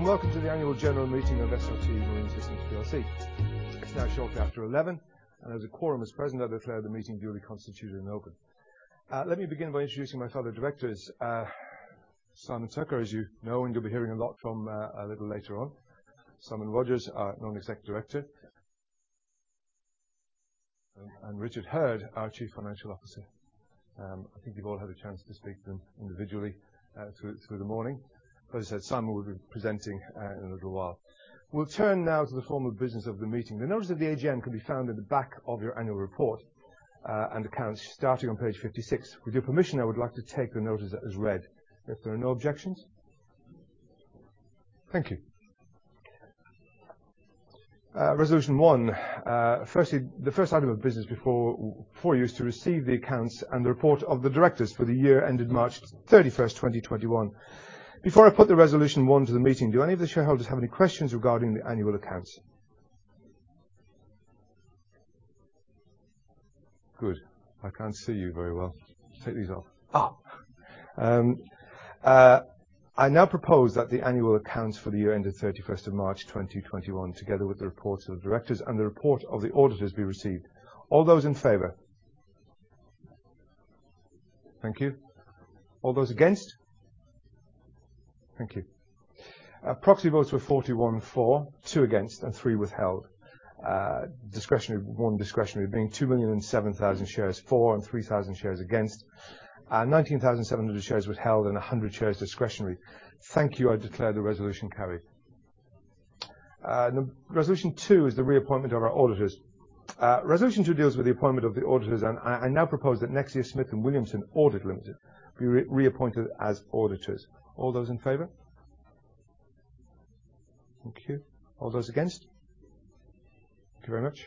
Welcome to the annual general meeting of SRT Marine Systems plc. It's now shortly after 11:00 A.M., and as a quorum is present, I declare the meeting duly constituted and open. Let me begin by introducing my fellow directors. Simon Tucker, as you know, and you'll be hearing a lot from a little later on. Simon Rogers, our non-exec director. Richard Hurd, our Chief Financial Officer. I think you've all had a chance to speak to them individually through the morning. As I said, Simon will be presenting in a little while. We'll turn now to the formal business of the meeting. The notice of the AGM can be found in the back of your annual report, and accounts starting on page 56. With your permission, I would like to take the notice as read, if there are no objections. Thank you. Resolution 1. The first item of business before you is to receive the accounts and the report of the directors for the year ended March 31st, 2021. Before I put the Resolution 1 to the meeting, do any of the shareholders have any questions regarding the annual accounts? Good. I can't see you very well. Take these off. I now propose that the annual accounts for the year ended 31st of March 2021, together with the reports of the directors and the report of the auditors, be received. All those in favor. Thank you. All those against. Thank you. Proxy votes were 41 for, two against, and three withheld. One discretionary being 2,007,000 shares for and 3,000 shares against. 19,700 shares withheld and 100 shares discretionary. Thank you. I declare the resolution carried. The resolution two is the reappointment of our auditors. Resolution 2 deals with the appointment of the auditors. I now propose that Nexia Smith & Williamson Audit Limited be reappointed as auditors. All those in favor. Thank you. All those against. Thank you very much.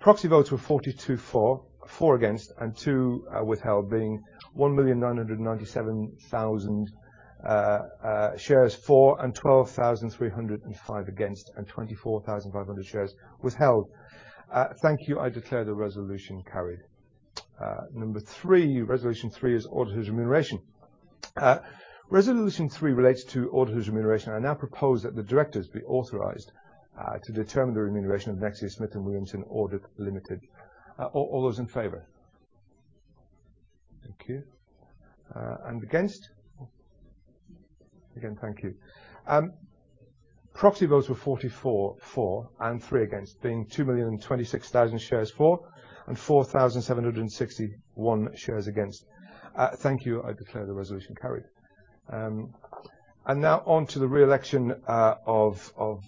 Proxy votes were 42 for, 4 against, and 2 withheld, being 1,997,000 shares for and 12,305 against, and 24,500 shares withheld. Thank you. I declare the resolution carried. Number three. Resolution 3 is auditors remuneration. Resolution 3 relates to auditors remuneration. I now propose that the directors be authorized to determine the remuneration of Nexia Smith & Williamson Audit Limited. All those in favor. Thank you. Against. Again, thank you. Proxy votes were 44 for and three against, being 2,026,000 shares for and 4,761 shares against. Thank you. I declare the resolution carried. Now on to the re-election of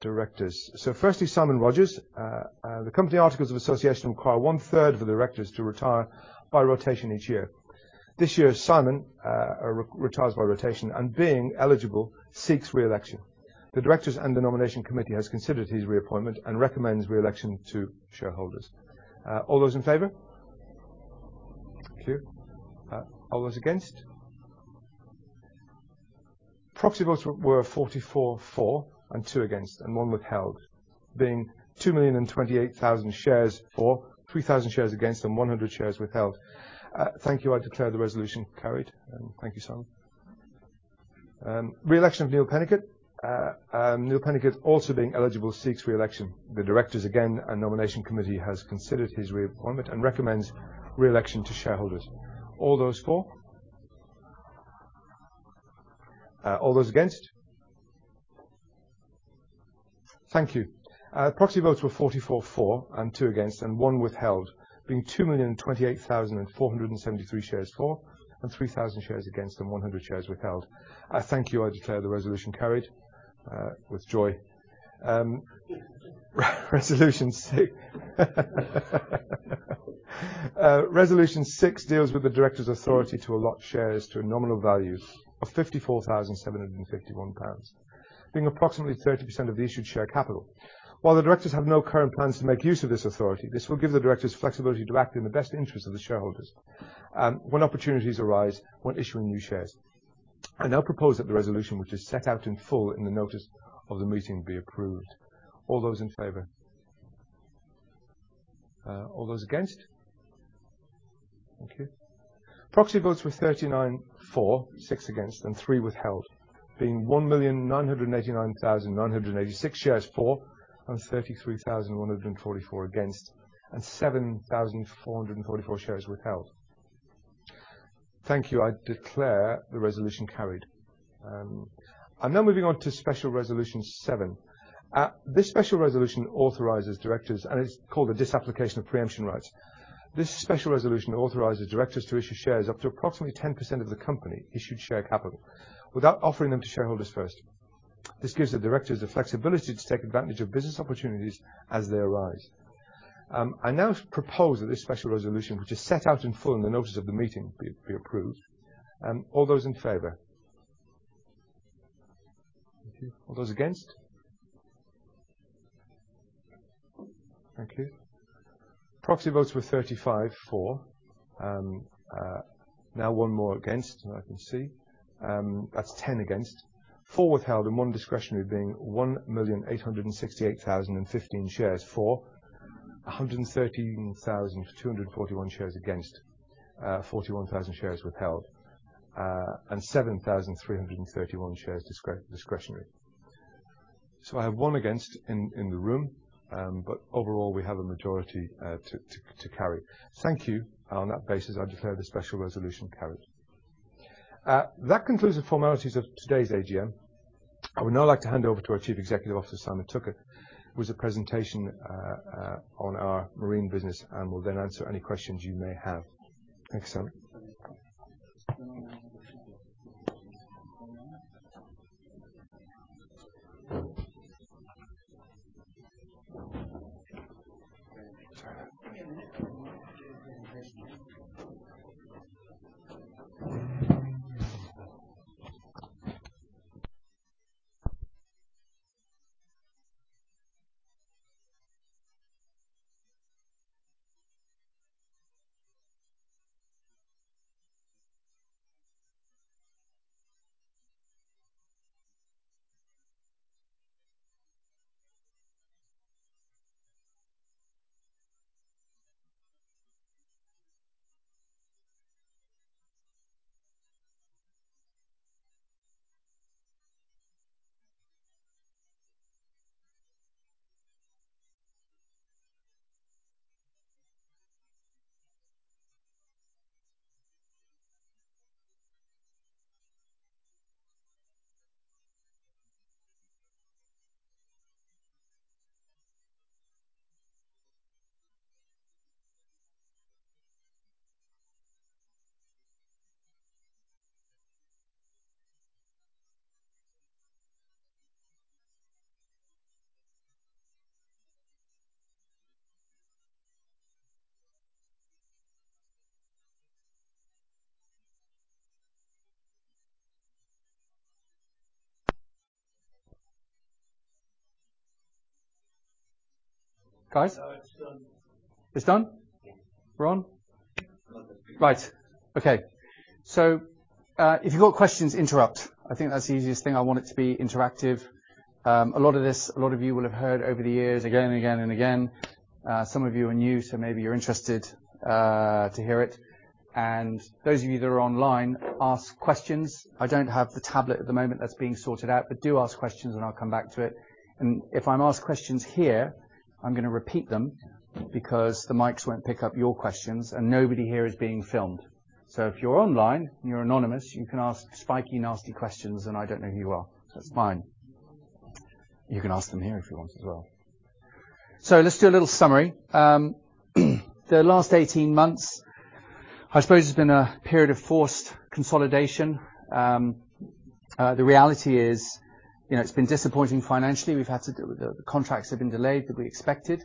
directors. Firstly, Simon Rogers. The company articles of association require one-third of the directors to retire by rotation each year. This year, Simon retires by rotation and being eligible, seeks re-election. The directors and the nomination committee has considered his reappointment and recommends re-election to shareholders. All those in favor. Thank you. All those against. Proxy votes were 44 for, and two against, and one withheld, being 2,028,000 shares for, 3,000 shares against, and 100 shares withheld. Thank you. I declare the resolution carried. Thank you, Simon. Re-election of Neil Peniket. Neil Peniket also being eligible seeks re-election. The directors again, and nomination committee, has considered his reappointment and recommends re-election to shareholders. All those for. All those against. Thank you. Proxy votes were 44 for, and two against, and one withheld, being 2,028,473 shares for, and 3,000 shares against, and 100 shares withheld. Thank you. I declare the resolution carried with joy. Resolution 6 deals with the director's authority to allot shares to a nominal value of £54,751, being approximately 30% of the issued share capital. While the directors have no current plans to make use of this authority, this will give the directors flexibility to act in the best interest of the shareholders when opportunities arise when issuing new shares. I now propose that the resolution, which is set out in full in the notice of the meeting, be approved. All those in favor. All those against. Thank you. Proxy votes were 39 for, six against, and three withheld, being 1,989,986 shares for, and 33,144 against, and 7,444 shares withheld. Thank you. I declare the resolution carried. I'm now moving on to special Resolution 7. This special resolution authorizes directors, and it's called a disapplication of preemption rights. This special resolution authorizes directors to issue shares up to approximately 10% of the company issued share capital without offering them to shareholders first. This gives the directors the flexibility to take advantage of business opportunities as they arise. I now propose that this special resolution, which is set out in full in the notice of the meeting, be approved. All those in favor. Thank you. All those against. Thank you. Proxy votes were 35 for. One more against that I can see. That's 10 against, four withheld, and one discretionary, being 1,868,015 shares for 113,241 shares against, 41,000 shares withheld, and 7,331 shares discretionary. I have one against in the room, but overall, we have a majority to carry. Thank you. On that basis, I declare the special resolution carried. That concludes the formalities of today's AGM. I would now like to hand over to our Chief Executive Officer, Simon Tucker, who has a presentation on our Marine business and will then answer any questions you may have. Thanks, Simon. Guys? It's done. It's done? Yeah. We're on? Right. Okay. If you've got questions, interrupt. I think that's the easiest thing. I want it to be interactive. A lot of this, a lot of you will have heard over the years again and again and again. Some of you are new, so maybe you're interested to hear it. Those of you that are online, ask questions. I don't have the tablet at the moment. That's being sorted out. Do ask questions, and I'll come back to it. If I'm asked questions here, I'm going to repeat them because the mics won't pick up your questions, and nobody here is being filmed. If you're online and you're anonymous, you can ask spiky, nasty questions, and I don't know who you are. That's fine. You can ask them here if you want as well. Let's do a little summary. The last 18 months, I suppose, has been a period of forced consolidation. The reality is it's been disappointing financially. The contracts have been delayed than we expected.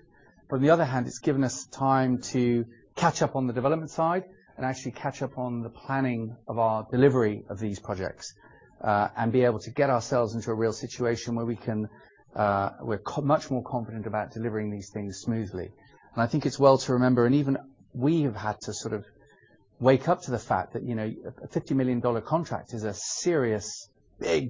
On the other hand, it's given us time to catch up on the development side and actually catch up on the planning of our delivery of these projects, and be able to get ourselves into a real situation where we're much more confident about delivering these things smoothly. I think it's well to remember, and even we have had to sort of wake up to the fact that a GBP 50 million contract is a serious, big.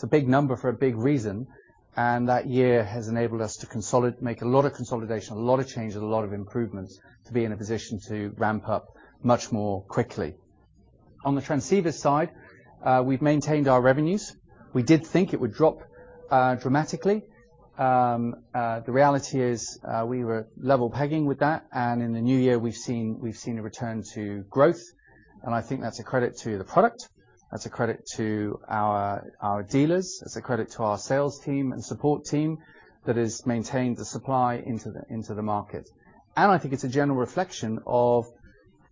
It's a big number for a big reason, and that year has enabled us to make a lot of consolidation, a lot of change, and a lot of improvements to be in a position to ramp up much more quickly. On the transceivers side, we've maintained our revenues. We did think it would drop dramatically. The reality is, we were level pegging with that. In the new year, we've seen a return to growth. I think that's a credit to the product, that's a credit to our dealers, that's a credit to our sales team and support team that has maintained the supply into the market. I think it's a general reflection of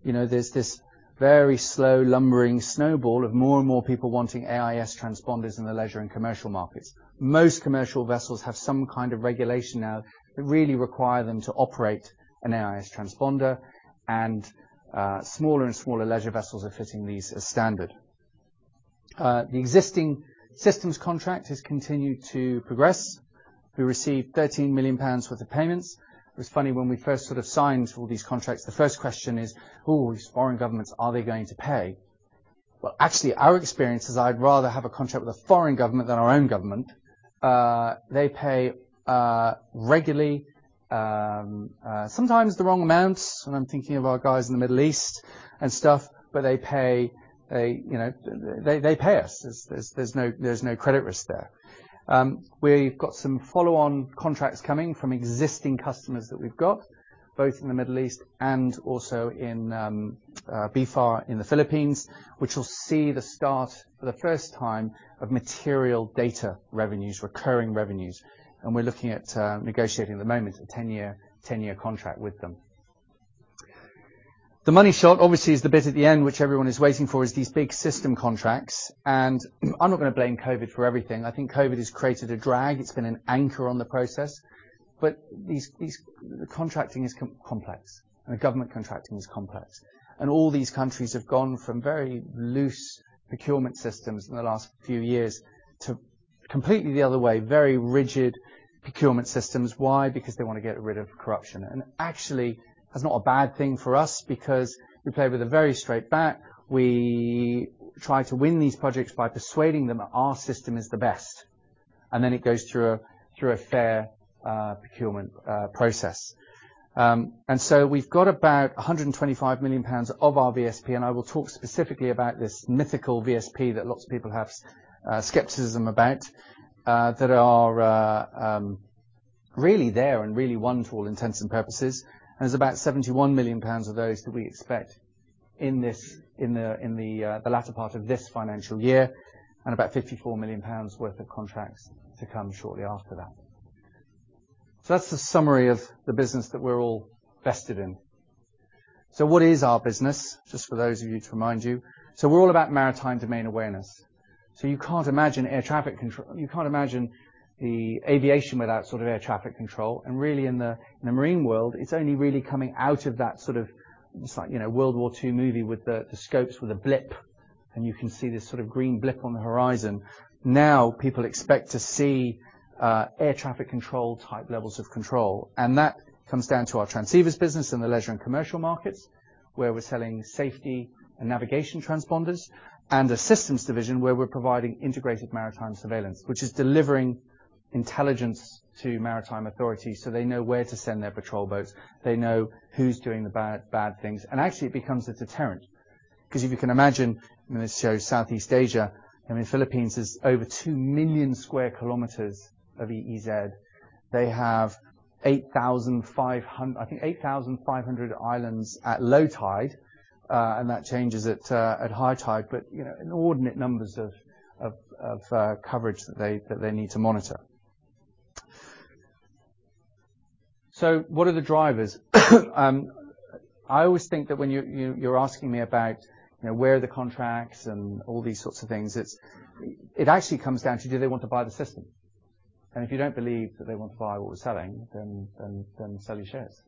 there's this very slow, lumbering snowball of more and more people wanting AIS transponders in the leisure and commercial markets. Most commercial vessels have some kind of regulation now that really require them to operate an AIS transponder, and smaller and smaller leisure vessels are fitting these as standard. The existing systems contract has continued to progress. We received 13 million pounds worth of payments. It was funny when we first sort of signed all these contracts, the first question is, "Ooh, these foreign governments, are they going to pay?" Actually, our experience is I'd rather have a contract with a foreign government than our own government. They pay regularly. Sometimes the wrong amounts, and I'm thinking of our guys in the Middle East and stuff, but they pay us. There's no credit risk there. We've got some follow-on contracts coming from existing customers that we've got, both in the Middle East and also in BFAR in the Philippines, which will see the start for the first time of material data revenues, recurring revenues. We're looking at negotiating at the moment a 10-year contract with them. The money shot, obviously, is the bit at the end, which everyone is waiting for, is these big system contracts. I'm not going to blame COVID for everything. I think COVID has created a drag. It's been an anchor on the process. The contracting is complex, and government contracting is complex. All these countries have gone from very loose procurement systems in the last few years to completely the other way, very rigid procurement systems. Why? Because they want to get rid of corruption. Actually, that's not a bad thing for us because we play with a very straight bat. We try to win these projects by persuading them our system is the best. Then it goes through a fair procurement process. We've got about 125 million pounds of our VSP, and I will talk specifically about this mythical VSP that lots of people have skepticism about, that are really there and really wonderful intents and purposes, and there's about 71 million pounds of those that we expect in the latter part of this financial year and about 54 million pounds worth of contracts to come shortly after that. That's the summary of the business that we're all vested in. What is our business? Just for those of you, to remind you. We're all about Maritime Domain Awareness. You can't imagine the aviation without air traffic control. Really in the marine world, it's only really coming out of that, it's like World War II movie with the scopes, with a blip, and you can see this green blip on the horizon. People expect to see air traffic control type levels of control. That comes down to our transceivers business in the leisure and commercial markets, where we're selling safety and navigation transponders, and a systems division where we're providing integrated maritime surveillance, which is delivering intelligence to maritime authorities so they know where to send their patrol boats, they know who's doing the bad things. Actually it becomes a deterrent because if you can imagine, and this shows Southeast Asia, I mean Philippines is over 2 million square kilometers of EEZ. They have 8,500 islands at low tide, and that changes at high tide, but inordinate numbers of coverage that they need to monitor. What are the drivers? I always think that when you're asking me about where are the contracts and all these sorts of things, it actually comes down to do they want to buy the system? If you don't believe that they want to buy what we're selling, then sell your shares.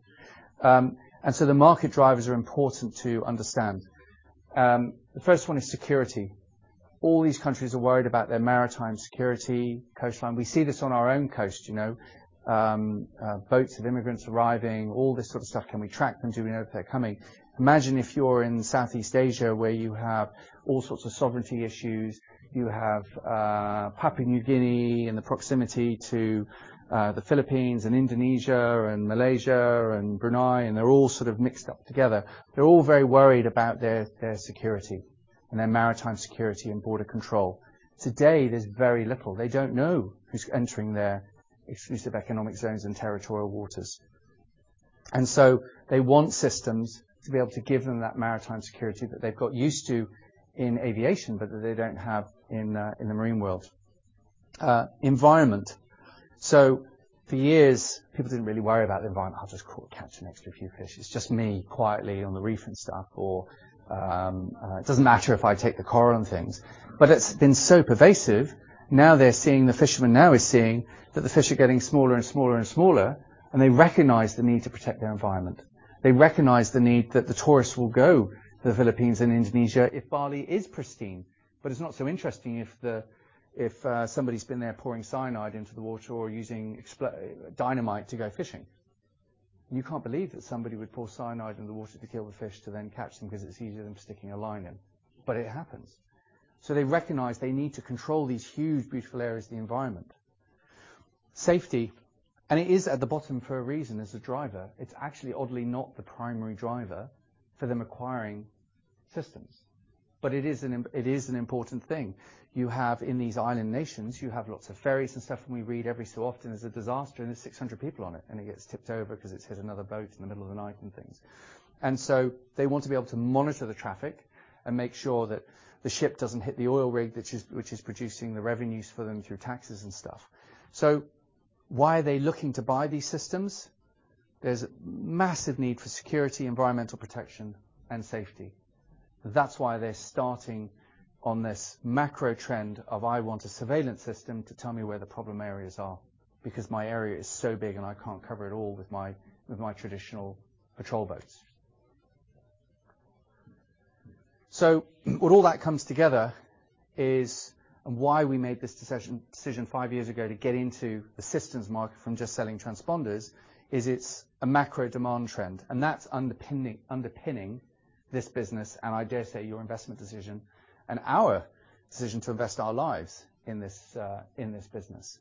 The market drivers are important to understand. The first one is security. All these countries are worried about their maritime security, coastline. We see this on our own coast, boats of immigrants arriving, all this sort of stuff. Can we track them? Do we know if they're coming? Imagine if you're in Southeast Asia, where you have all sorts of sovereignty issues. You have Papua New Guinea and the proximity to the Philippines and Indonesia and Malaysia and Brunei, they're all sort of mixed up together. They're all very worried about their security and their maritime security and border control. Today, there's very little. They don't know who's entering their exclusive economic zones and territorial waters. They want systems to be able to give them that maritime security that they've got used to in aviation, but that they don't have in the marine world. Environment. For years, people didn't really worry about the environment. "I'll just catch an extra few fish. It's just me quietly on the reef," and stuff, or, "It doesn't matter if I take the coral and things." It's been so pervasive, now they're seeing, the fishermen now are seeing that the fish are getting smaller and smaller. They recognize the need to protect their environment. They recognize the need that the tourists will go to the Philippines and Indonesia if Bali is pristine. It's not so interesting if somebody's been there pouring cyanide into the water or using dynamite to go fishing. You can't believe that somebody would pour cyanide in the water to kill the fish, to then catch them, because it's easier than sticking a line in. It happens. They recognize they need to control these huge, beautiful areas of the environment. Safety, and it is at the bottom for a reason as a driver. It's actually oddly not the primary driver for them acquiring systems, but it is an important thing. You have in these island nations, you have lots of ferries and stuff, and we read every so often there's a disaster and there's 600 people on it, and it gets tipped over because it's hit another boat in the middle of the night and things. They want to be able to monitor the traffic and make sure that the ship doesn't hit the oil rig, which is producing the revenues for them through taxes and stuff. Why are they looking to buy these systems? There's a massive need for security, environmental protection, and safety. That's why they're starting on this macro trend of, I want a surveillance system to tell me where the problem areas are, because my area is so big and I can't cover it all with my traditional patrol boats. What all that comes together is, and why we made this decision five years ago to get into the systems market from just selling transponders, is it's a macro demand trend, and that's underpinning this business and I dare say your investment decision and our decision to invest our lives in this business.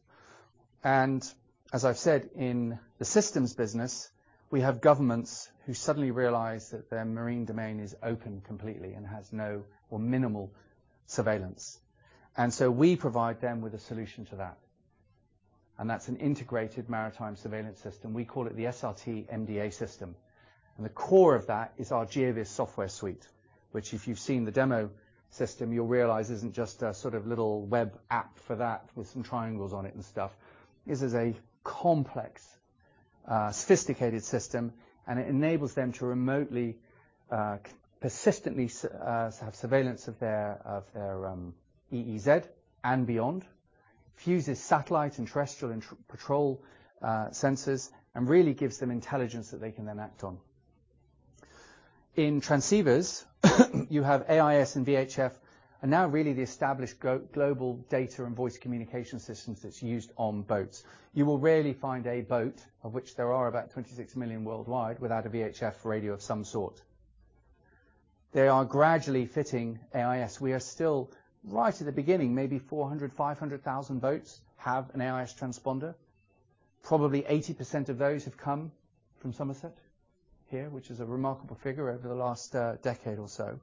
As I've said, in the systems business, we have governments who suddenly realize that their marine domain is open completely and has no or minimal surveillance. We provide them with a solution to that, and that's an integrated maritime surveillance system. We call it the SRT MDA system, and the core of that is our GeoVS software suite, which if you've seen the demo system, you'll realize isn't just a sort of little web app for that with some triangles on it and stuff. This is a complex, sophisticated system and it enables them to remotely, persistently have surveillance of their EEZ and beyond. Fuses satellite and terrestrial and patrol sensors and really gives them intelligence that they can then act on. In transceivers, you have AIS and VHF, and now really the established global data and voice communication systems that's used on boats. You will rarely find a boat, of which there are about 26 million worldwide, without a VHF radio of some sort. They are gradually fitting AIS. We are still right at the beginning, maybe 400,000, 500,000 boats have an AIS transponder. Probably 80% of those have come from Somerset here, which is a remarkable figure over the last decade or so.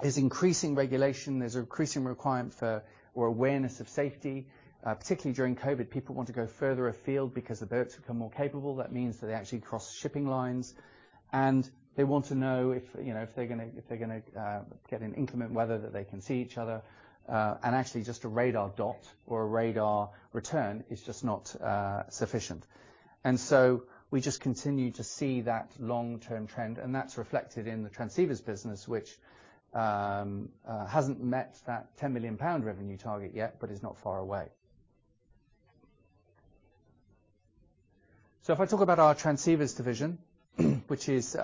There's increasing regulation, there's increasing requirement for or awareness of safety. Particularly during COVID, people want to go further afield because the boats become more capable. That means that they actually cross shipping lines, and they want to know if they're going to get in inclement weather that they can see each other. Actually, just a radar dot or a radar return is just not sufficient. We just continue to see that long-term trend, and that's reflected in the transceivers business, which hasn't met that £10 million revenue target yet, but is not far away. If I talk about our transceivers division, which is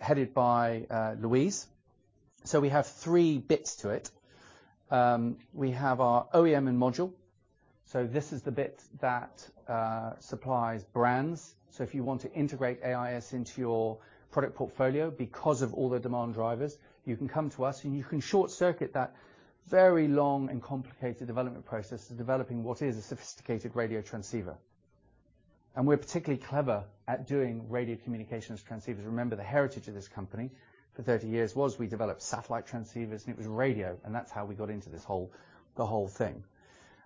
headed by Louise, we have three bits to it. We have our OEM and module. This is the bit that supplies brands. If you want to integrate AIS into your product portfolio because of all the demand drivers, you can come to us and you can short-circuit that very long and complicated development process of developing what is a sophisticated radio transceiver. We're particularly clever at doing radio communications transceivers. Remember, the heritage of this company for 30 years was we developed satellite transceivers, and it was radio, and that's how we got into this whole thing.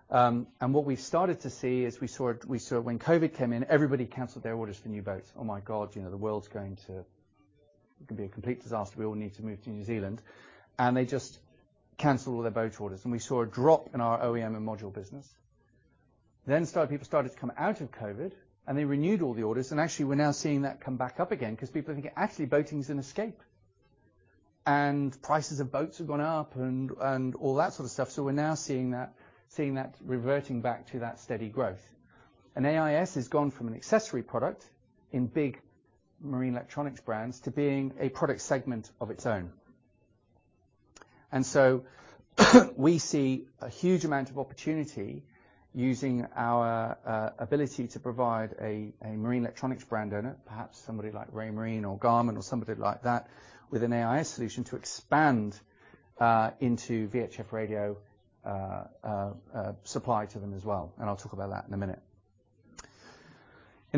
What we started to see is we saw when COVID came in, everybody canceled their orders for new boats. Oh my God, the world's going to be a complete disaster. We all need to move to New Zealand. They just canceled all their boat orders. We saw a drop in our OEM and module business. People started to come out of COVID, and they renewed all the orders, actually we're now seeing that come back up again because people think actually boating is an escape. Prices of boats have gone up and all that sort of stuff. We're now seeing that reverting back to that steady growth. AIS has gone from an accessory product in big marine electronics brands to being a product segment of its own. We see a huge amount of opportunity using our ability to provide a marine electronics brand owner, perhaps somebody like Raymarine or Garmin or somebody like that, with an AIS solution to expand into VHF radio supply to them as well. I'll talk about that in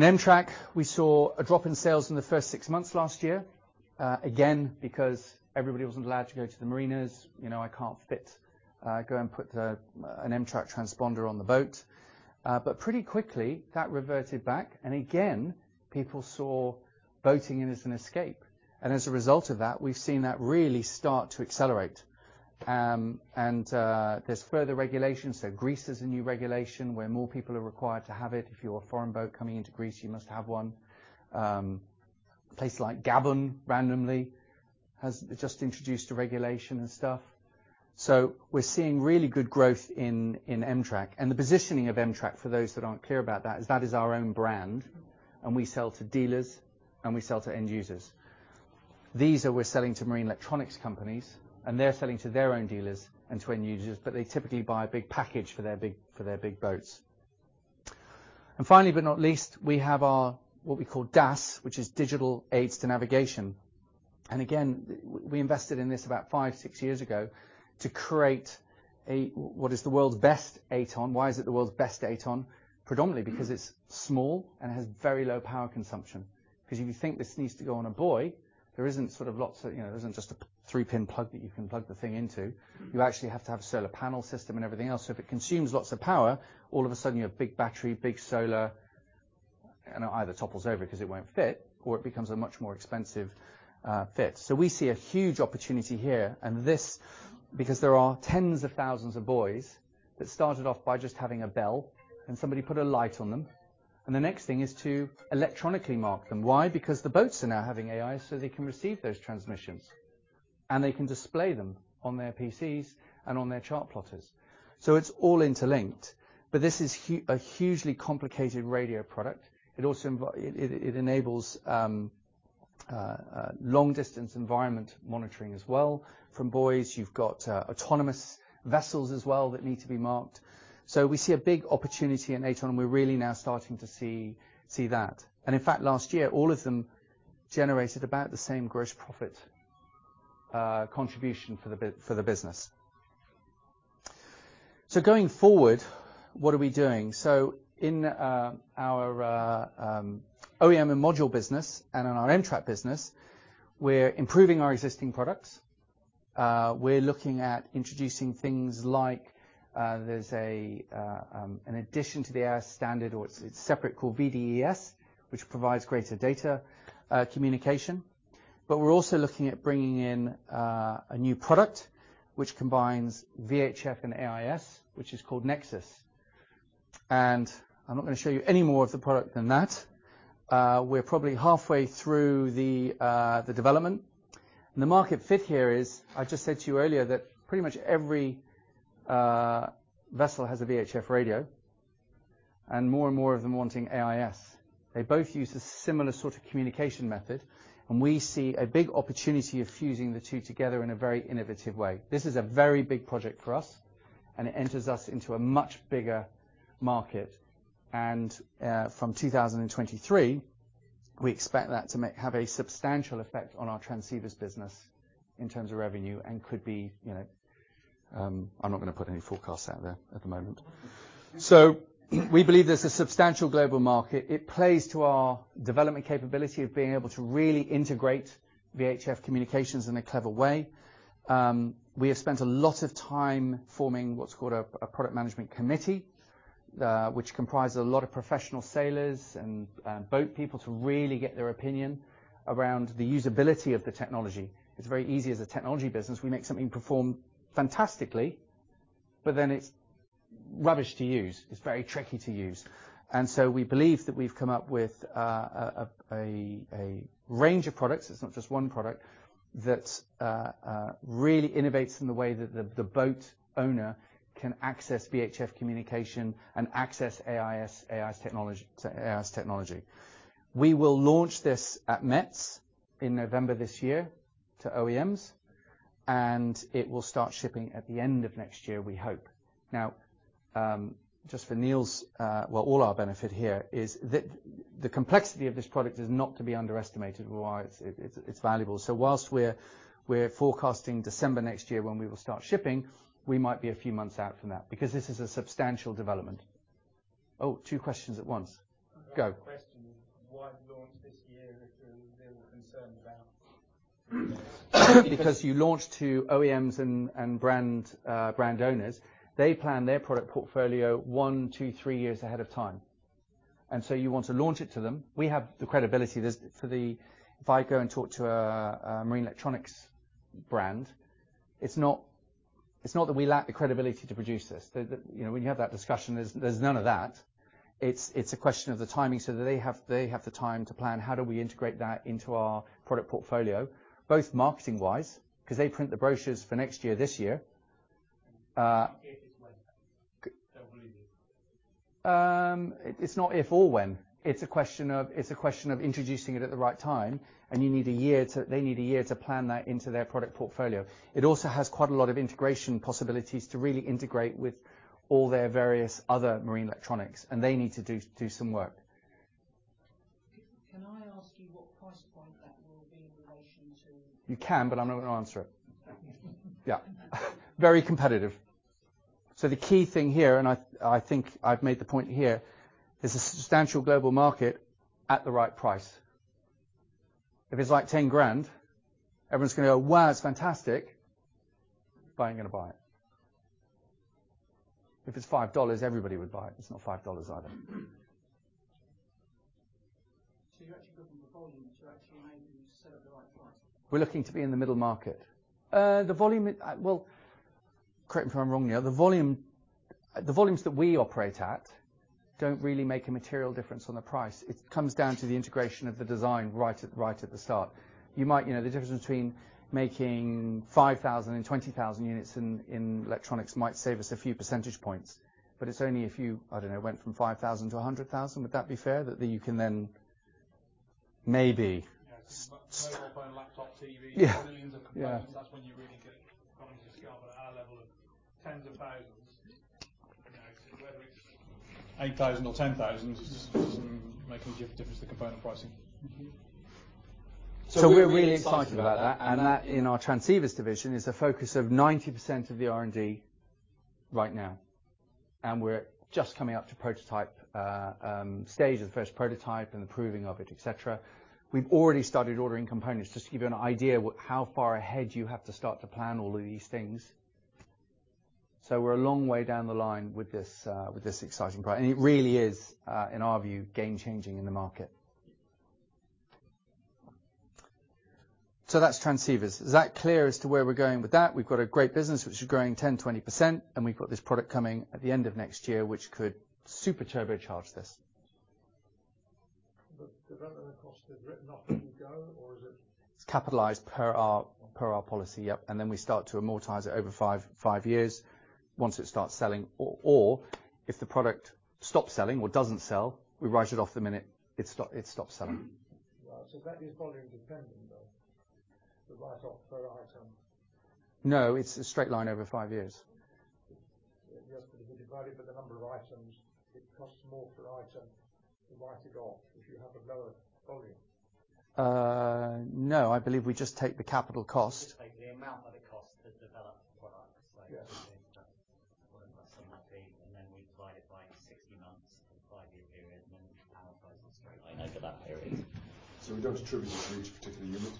a minute. In em-trak, we saw a drop in sales in the first six months last year, again, because everybody wasn't allowed to go to the marinas. I can't go and put an em-trak transponder on the boat. Pretty quickly, that reverted back, and again, people saw boating as an escape. As a result of that, we've seen that really start to accelerate. There's further regulations. Greece has a new regulation where more people are required to have it. If you're a foreign boat coming into Greece, you must have one. A place like Gabon randomly has just introduced a regulation and stuff. We're seeing really good growth in em-trak. The positioning of em-trak, for those that aren't clear about that, is that is our own brand, and we sell to dealers and we sell to end users. We're selling to marine electronics companies, and they're selling to their own dealers and to end users, but they typically buy a big package for their big boats. Finally, but not least, we have what we call DAS, which is digital aids to navigation. Again, we invested in this about five, six years ago to create what is the world's best AtoN. Why is it the world's best AtoN? Predominantly because it's small and has very low power consumption. Because if you think this needs to go on a buoy, there isn't just a three-pin plug that you can plug the thing into. You actually have to have a solar panel system and everything else. If it consumes lots of power, all of a sudden you have big battery, big solar, and it either topples over because it won't fit or it becomes a much more expensive fit. We see a huge opportunity here and this because there are tens of thousands of buoys that started off by just having a bell and somebody put a light on them, and the next thing is to electronically mark them. Why? The boats are now having AI so they can receive those transmissions, and they can display them on their PCs and on their chart plotters. It's all interlinked, but this is a hugely complicated radio product. It enables long-distance environment monitoring as well from buoys. You've got autonomous vessels as well that need to be marked. We see a big opportunity in AIDN. We're really now starting to see that. In fact, last year, all of them generated about the same gross profit contribution for the business. Going forward, what are we doing? In our OEM and module business and in our em-trak business, we're improving our existing products. We're looking at introducing things like, there's an addition to the AIS standard, or it's separate, called VDES, which provides greater data communication. We're also looking at bringing in a new product which combines VHF and AIS, which is called NEXUS. I'm not going to show you any more of the product than that. We're probably halfway through the development. The market fit here is, I just said to you earlier that pretty much every vessel has a VHF radio, and more and more of them wanting AIS. They both use a similar sort of communication method, and we see a big opportunity of fusing the two together in a very innovative way. This is a very big project for us. It enters us into a much bigger market. From 2023, we expect that to have a substantial effect on our transceivers business in terms of revenue and could be I'm not going to put any forecasts out there at the moment. We believe there's a substantial global market. It plays to our development capability of being able to really integrate VHF communications in a clever way. We have spent a lot of time forming what's called a product management committee, which comprises a lot of professional sailors and boat people to really get their opinion around the usability of the technology. It's very easy as a technology business, we make something perform fantastically, but then it's rubbish to use. It's very tricky to use. We believe that we've come up with a range of products, it's not just one product, that really innovates in the way that the boat owner can access VHF communication and access AIS technology. We will launch this at METS in November this year to OEMs, and it will start shipping at the end of next year, we hope. Just for Neil's, well, all our benefit here, is the complexity of this product is not to be underestimated with why it's valuable. Whilst we're forecasting December next year when we will start shipping, we might be a few months out from that because this is a substantial development. Oh, two questions at once. Go. I've got a question. Why launch this year if there were concerns about? You launch to OEMs and brand owners, they plan their product portfolio one, two, three years ahead of time. You want to launch it to them. We have the credibility. If I go and talk to a marine electronics brand, it's not that we lack the credibility to produce this. When you have that discussion, there's none of that. It's a question of the timing so that they have the time to plan, "How do we integrate that into our product portfolio?" Both marketing wise, because they print the brochures for next year, this year. If it's like that, they will need it. It's not if or when. It's a question of introducing it at the right time, and they need a year to plan that into their product portfolio. It also has quite a lot of integration possibilities to really integrate with all their various other marine electronics, and they need to do some work. Can I ask you what price point that will be in relation to? You can, but I'm not going to answer it. Okay. Yeah. Very competitive. The key thing here, and I think I've made the point here, there's a substantial global market at the right price. If it's like 10 grand, everyone's going to go, "Wow, it's fantastic," but ain't going to buy it. If it's GBP 5, everybody would buy it. It's not GBP 5 either. You're actually good on the volume, so actually maybe you set up the right price. We're looking to be in the middle market. Correct me if I'm wrong here, the volumes that we operate at don't really make a material difference on the price. It comes down to the integration of the design right at the start. The difference between making 5,000 and 20,000 units in electronics might save us a few percentage points. It's only if you, I don't know, went from 5,000- 100,000. Would that be fair? Yes. Mobile phone, laptop, TV. Yeah. Millions of components. That's when you really get economies of scale. At our level of tens of thousands, whether it's 8,000 or 10,000 doesn't make any difference to component pricing. We're really excited about that, and that in our transceivers division is the focus of 90% of the R&D right now, and we're just coming up to prototype stage of the first prototype and the proving of it, et cetera. We've already started ordering components, just to give you an idea how far ahead you have to start to plan all of these things. We're a long way down the line with this exciting product, and it really is, in our view, game changing in the market. That's transceivers. Is that clear as to where we're going with that? We've got a great business, which is growing 10%-20%, and we've got this product coming at the end of next year, which could super turbocharge this. The development cost is written off as you go, or is it? It's capitalized per our policy, yep. Then we start to amortize it over five years once it starts selling. If the product stops selling or doesn't sell, we write it off the minute it stops selling. Right. That is volume dependent, though, the write-off per item. No, it is a straight line over five years. Yes, if you divide it by the number of items, it costs more per item to write it off if you have a lower volume. I believe we just take the capital cost. We just take the amount of the cost to develop the product. Yes. It could be 20 or 100,000 feet, and then we divide it by 60 months, a five-year period, and then amortize it straight line over that period. We don't attribute it to each particular unit?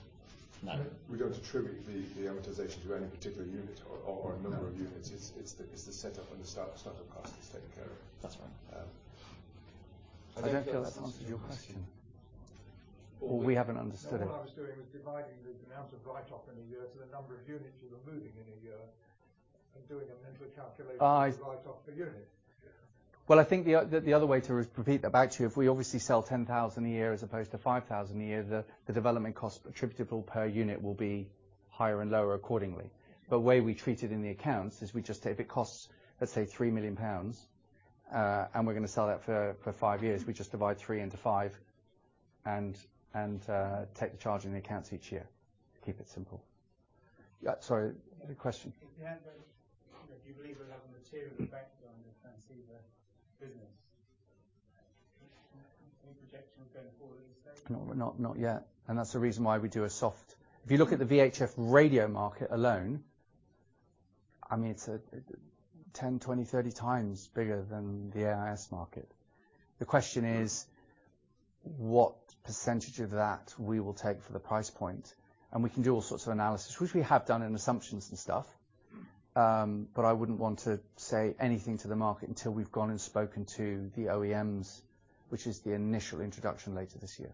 No. We don't attribute the amortization to any particular unit or a number of units. No. It's the setup and the startup cost that's taken care of. That's right. Yeah. I don't feel that's answered your question. We haven't understood it. No, what I was doing was dividing the amount of write-off in a year to the number of units you were moving in a year and doing a mental calculation. of write-off per unit. I think the other way to repeat that back to you, if we obviously sell 10,000 a year as opposed to 5,000 a year, the development cost attributable per unit will be higher and lower accordingly. The way we treat it in the accounts is we just take the cost, let's say 3 million pounds, and we're going to sell that for five years. We just divide three into five and take the charge in the accounts each year to keep it simple. Yeah, sorry. Any question? If you haven't, do you believe there's a material background that can see the business? Any projections going forward any stage? No, not yet. That's the reason why we do. If you look at the VHF radio market alone, it's 10, 20, 30 times bigger than the AIS market. The question is what percentage of that we will take for the price point, and we can do all sorts of analysis, which we have done in assumptions and stuff. I wouldn't want to say anything to the market until we've gone and spoken to the OEMs, which is the initial introduction later this year.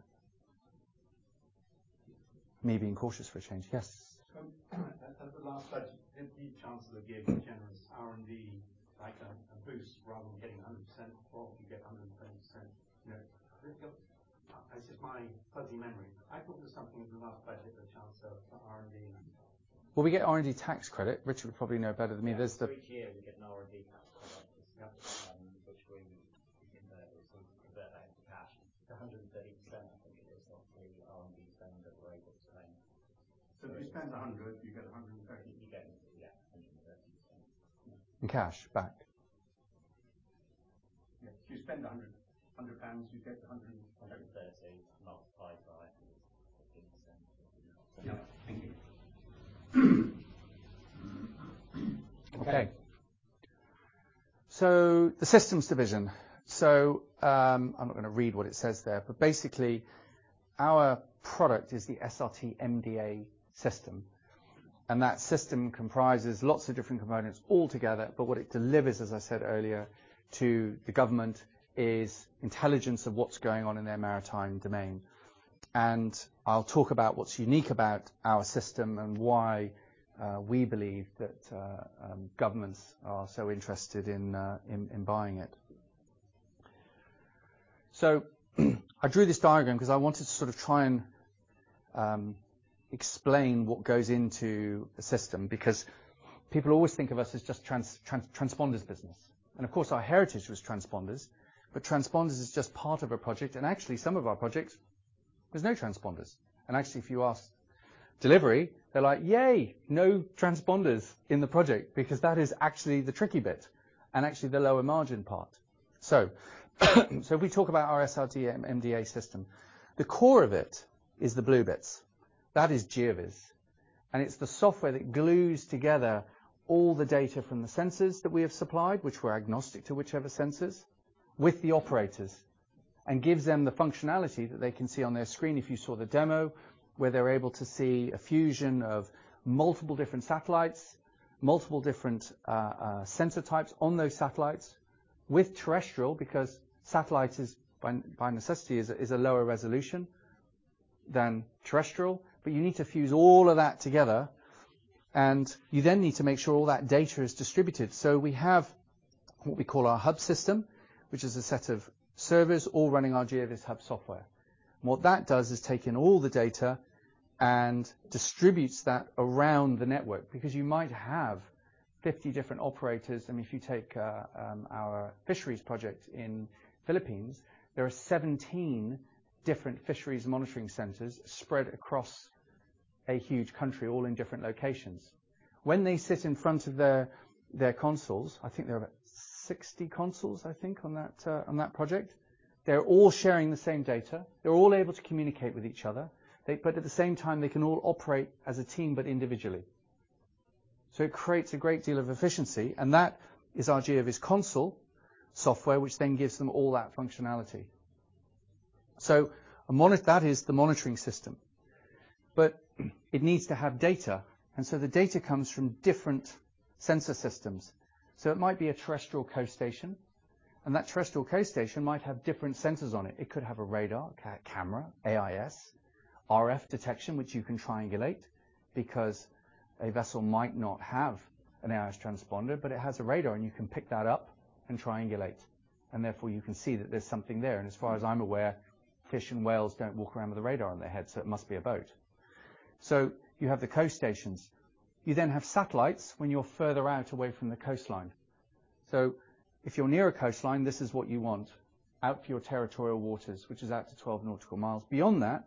Me being cautious for a change. Yes. At the last budget, the chances are they gave a generous R&D, like a boost rather than getting 100% of what we get, 130%. This is my fuzzy memory. I thought there was something in the last budget, the chance of R&D. Well, we get R&D tax credit, which you would probably know better than me. Yes. Each year, we get an R&D tax credit, which we convert that into cash. It's 130%, I think it is, of the R&D spend that we're able to claim. If you spend 100, you get 130? You get, yeah, 130. In cash back. Yeah. If you spend £100, you get 130, marked by 15%. Yeah. Thank you. Okay. The systems division. I'm not going to read what it says there, but basically, our product is the SRT MDA system, and that system comprises lots of different components all together. What it delivers, as I said earlier, to the government, is intelligence of what's going on in their maritime domain. I'll talk about what's unique about our system and why we believe that governments are so interested in buying it. I drew this diagram because I wanted to sort of try and explain what goes into the system because people always think of us as just transponders business. Of course, our heritage was transponders, but transponders is just part of a project. Actually, some of our projects, there's no transponders. Actually, if you ask delivery, they're like, "Yay. No transponders in the project because that is actually the tricky bit and actually the lower margin part. We talk about our SRT MDA system. The core of it is the blue bits. That is GeoVis, and it's the software that glues together all the data from the sensors that we have supplied, which were agnostic to whichever sensors, with the operators, and gives them the functionality that they can see on their screen, if you saw the demo, where they're able to see a fusion of multiple different satellites, multiple different sensor types on those satellites with terrestrial, because satellite is by necessity, is a lower resolution than terrestrial. You need to fuse all of that together, and you then need to make sure all that data is distributed. We have what we call our hub system, which is a set of servers all running our GeoVS HUB software. What that does is take in all the data and distributes that around the network because you might have 50 different operators. If you take our fisheries project in Philippines, there are 17 different fisheries monitoring centers spread across a huge country, all in different locations. When they sit in front of their consoles, I think there are about 60 consoles on that project. They're all sharing the same data. They're all able to communicate with each other. At the same time, they can all operate as a team, but individually. It creates a great deal of efficiency, and that is our GeoVS console software, which then gives them all that functionality. That is the monitoring system. It needs to have data. The data comes from different sensor systems. It might be a terrestrial coast station. That terrestrial coast station might have different sensors on it. It could have a radar, a camera, AIS, RF detection, which you can triangulate because a vessel might not have an AIS transponder, but it has a radar, and you can pick that up and triangulate, and therefore, you can see that there's something there. As far as I'm aware, fish and whales don't walk around with a radar on their head. It must be a boat. You have the coast stations. You have satellites when you're further out away from the coastline. If you're near a coastline, this is what you want, out to your territorial waters, which is out to 12 nautical miles. Beyond that,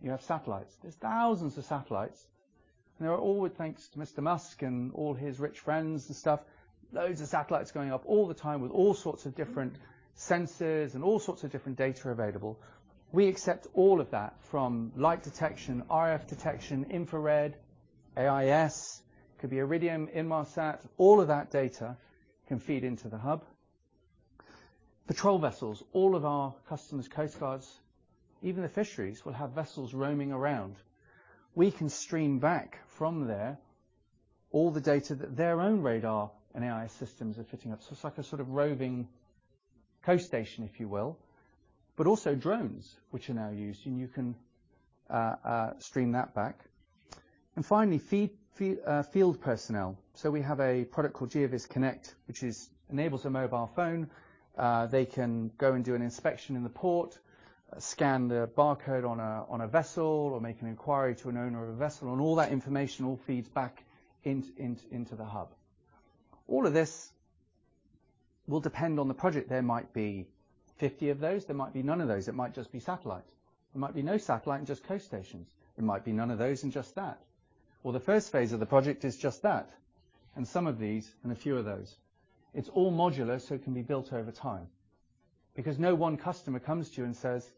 you have satellites. There's thousands of satellites. They are all with thanks to Mr. Musk and all his rich friends and stuff, loads of satellites going up all the time with all sorts of different sensors and all sorts of different data available. We accept all of that from light detection, RF detection, infrared, AIS, could be Iridium, Inmarsat, all of that data can feed into the hub. Patrol vessels, all of our customers, coast guards, even the fisheries, will have vessels roaming around. We can stream back from there all the data that their own radar and AI systems are fitting up. It's like a sort of roving coast station, if you will. Also drones, which are now used, and you can stream that back. Finally, field personnel. We have a product called GeoVS Connect, which enables a mobile phone. They can go and do an inspection in the port, scan the barcode on a vessel, or make an inquiry to an owner of a vessel, and all that information all feeds back into the hub. All of this will depend on the project. There might be 50 of those, there might be none of those. It might just be satellite. There might be no satellite and just coast stations. There might be none of those and just that. Well, the first phase of the project is just that, and some of these, and a few of those. It's all modular, so it can be built over time. Because no one customer comes to you and says,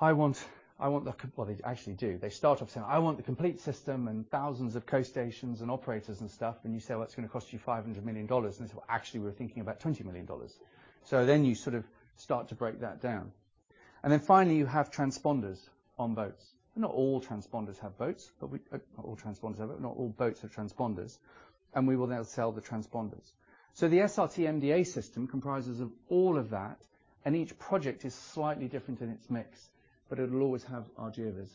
"I want the." Well, they actually do. They start off saying, "I want the complete system and thousands of coast stations and operators and stuff." You say, "Well, it's going to cost you GBP 500 million." They say, "Well, actually, we were thinking about GBP 20 million." You sort of start to break that down. Finally you have transponders on boats. Not all transponders have boats, but not all transponders have it, not all boats have transponders. We will now sell the transponders. The SRT MDA system comprises of all of that, and each project is slightly different in its mix, but it'll always have our GeoVis.